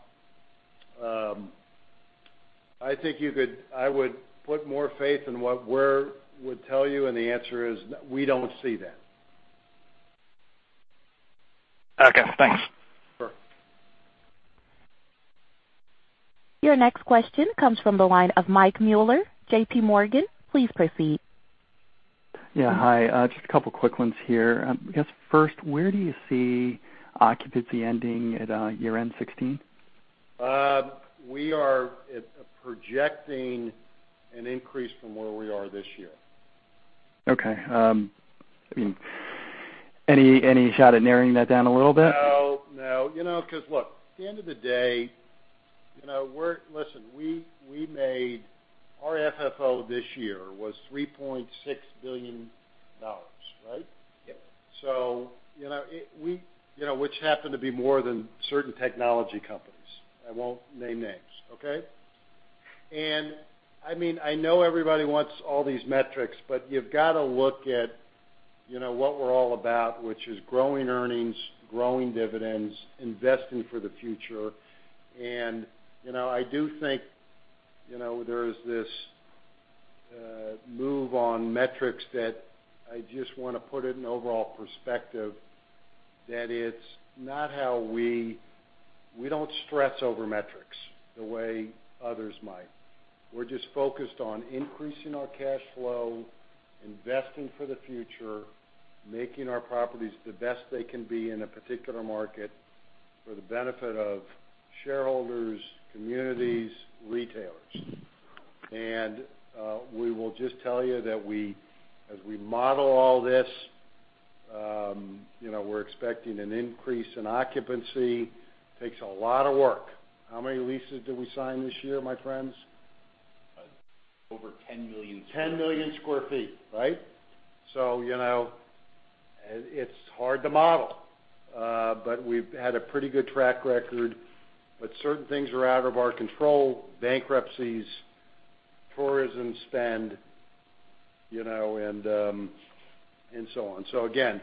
I think I would put more faith in what we would tell you, and the answer is, we don't see that. Okay, thanks. Sure. Your next question comes from the line of Mike Mueller, JPMorgan. Please proceed. Yeah, hi. Just a couple quick ones here. I guess, first, where do you see occupancy ending at year-end 2016? We are projecting an increase from where we are this year. Okay. Any shot at narrowing that down a little bit? No. Because look, at the end of the day, our FFO this year was $3.6 billion. Right? Yep. Which happened to be more than certain technology companies. I won't name names. Okay. I know everybody wants all these metrics, but you've got to look at what we're all about, which is growing earnings, growing dividends, investing for the future. I do think there is this move on metrics that I just want to put it in overall perspective, that it's not how we don't stress over metrics the way others might. We're just focused on increasing our cash flow, investing for the future, making our properties the best they can be in a particular market for the benefit of shareholders, communities, retailers. We will just tell you that as we model all this, we're expecting an increase in occupancy. Takes a lot of work. How many leases did we sign this year, my friends? Over 10 million square feet. 10 million square feet. It's hard to model. We've had a pretty good track record, but certain things are out of our control, bankruptcies, tourism spend, and so on. Again,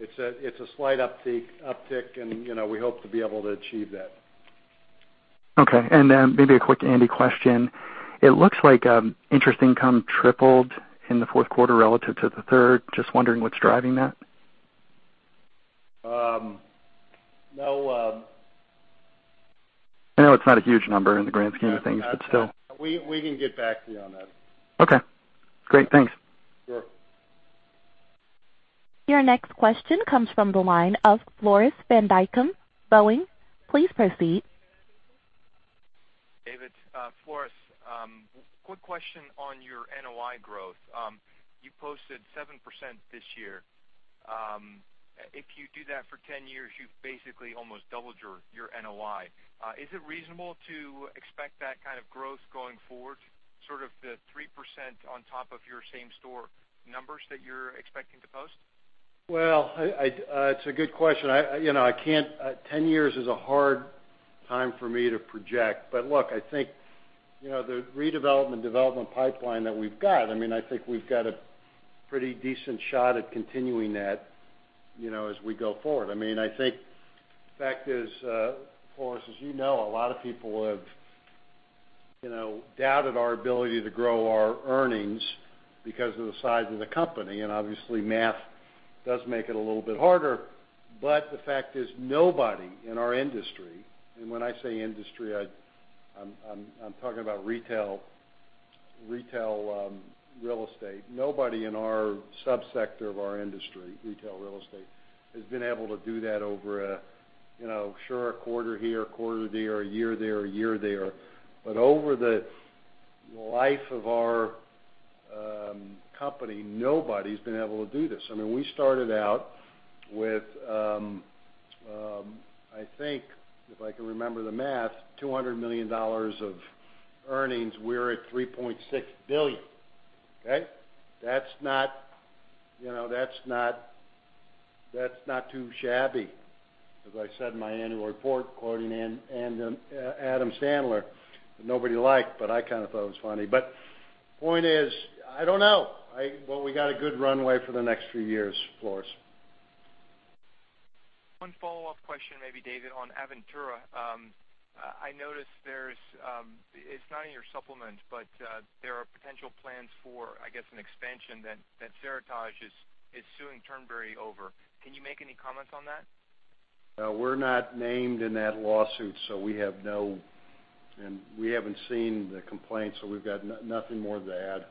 it's a slight uptick, and we hope to be able to achieve that. Okay. Maybe a quick Andy question. It looks like interest income tripled in the fourth quarter relative to the third. Just wondering what's driving that. No. I know it's not a huge number in the grand scheme of things, but still. We can get back to you on that. Okay, great. Thanks. Sure. Your next question comes from the line of Floris van Dijkum, Boenning. Please proceed. David, Floris. Quick question on your NOI growth. You posted 7% this year. If you do that for 10 years, you've basically almost doubled your NOI. Is it reasonable to expect that kind of growth going forward, sort of the 3% on top of your same store numbers that you're expecting to post? Well, it's a good question. 10 years is a hard time for me to project. Look, I think, the redevelopment development pipeline that we've got, I think we've got a pretty decent shot at continuing that as we go forward. I think the fact is, Floris, as you know, a lot of people have doubted our ability to grow our earnings because of the size of the company, and obviously, math does make it a little bit harder. The fact is, nobody in our industry, and when I say industry, I'm talking about retail real estate. Nobody in our sub-sector of our industry, retail real estate, has been able to do that over a quarter here, a quarter there, a year there. Over the life of our company, nobody's been able to do this. We started out with, I think if I can remember the math, $200 million of earnings. We're at $3.6 billion. That's not too shabby. As I said in my annual report, quoting Adam Sandler, that nobody liked, but I kind of thought it was funny. Point is, I don't know. We got a good runway for the next few years, Floris. One follow-up question maybe, David, on Aventura. I noticed there's, it's not in your supplement, but there are potential plans for, I guess an expansion that Seritage is suing Turnberry over. Can you make any comments on that? We're not named in that lawsuit. We haven't seen the complaint, so we've got nothing more to add.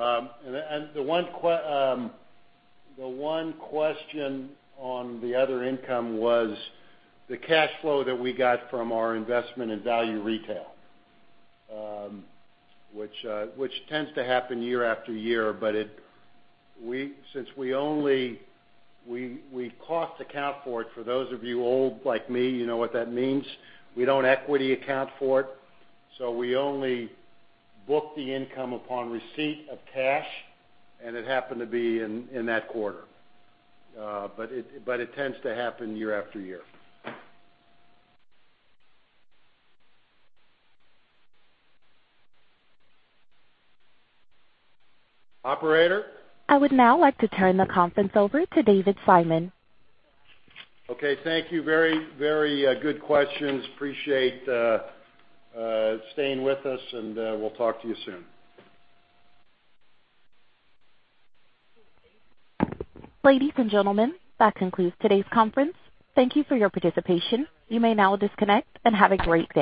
The one question on the other income was the cash flow that we got from our investment in Value Retail, which tends to happen year after year. Since we cost account for it, for those of you old like me, you know what that means. We don't equity account for it. We only book the income upon receipt of cash, and it happened to be in that quarter. It tends to happen year after year. Operator? I would now like to turn the conference over to David Simon. Okay, thank you. Very good questions. Appreciate staying with us, and we'll talk to you soon. Ladies and gentlemen, that concludes today's conference. Thank you for your participation. You may now disconnect and have a great day.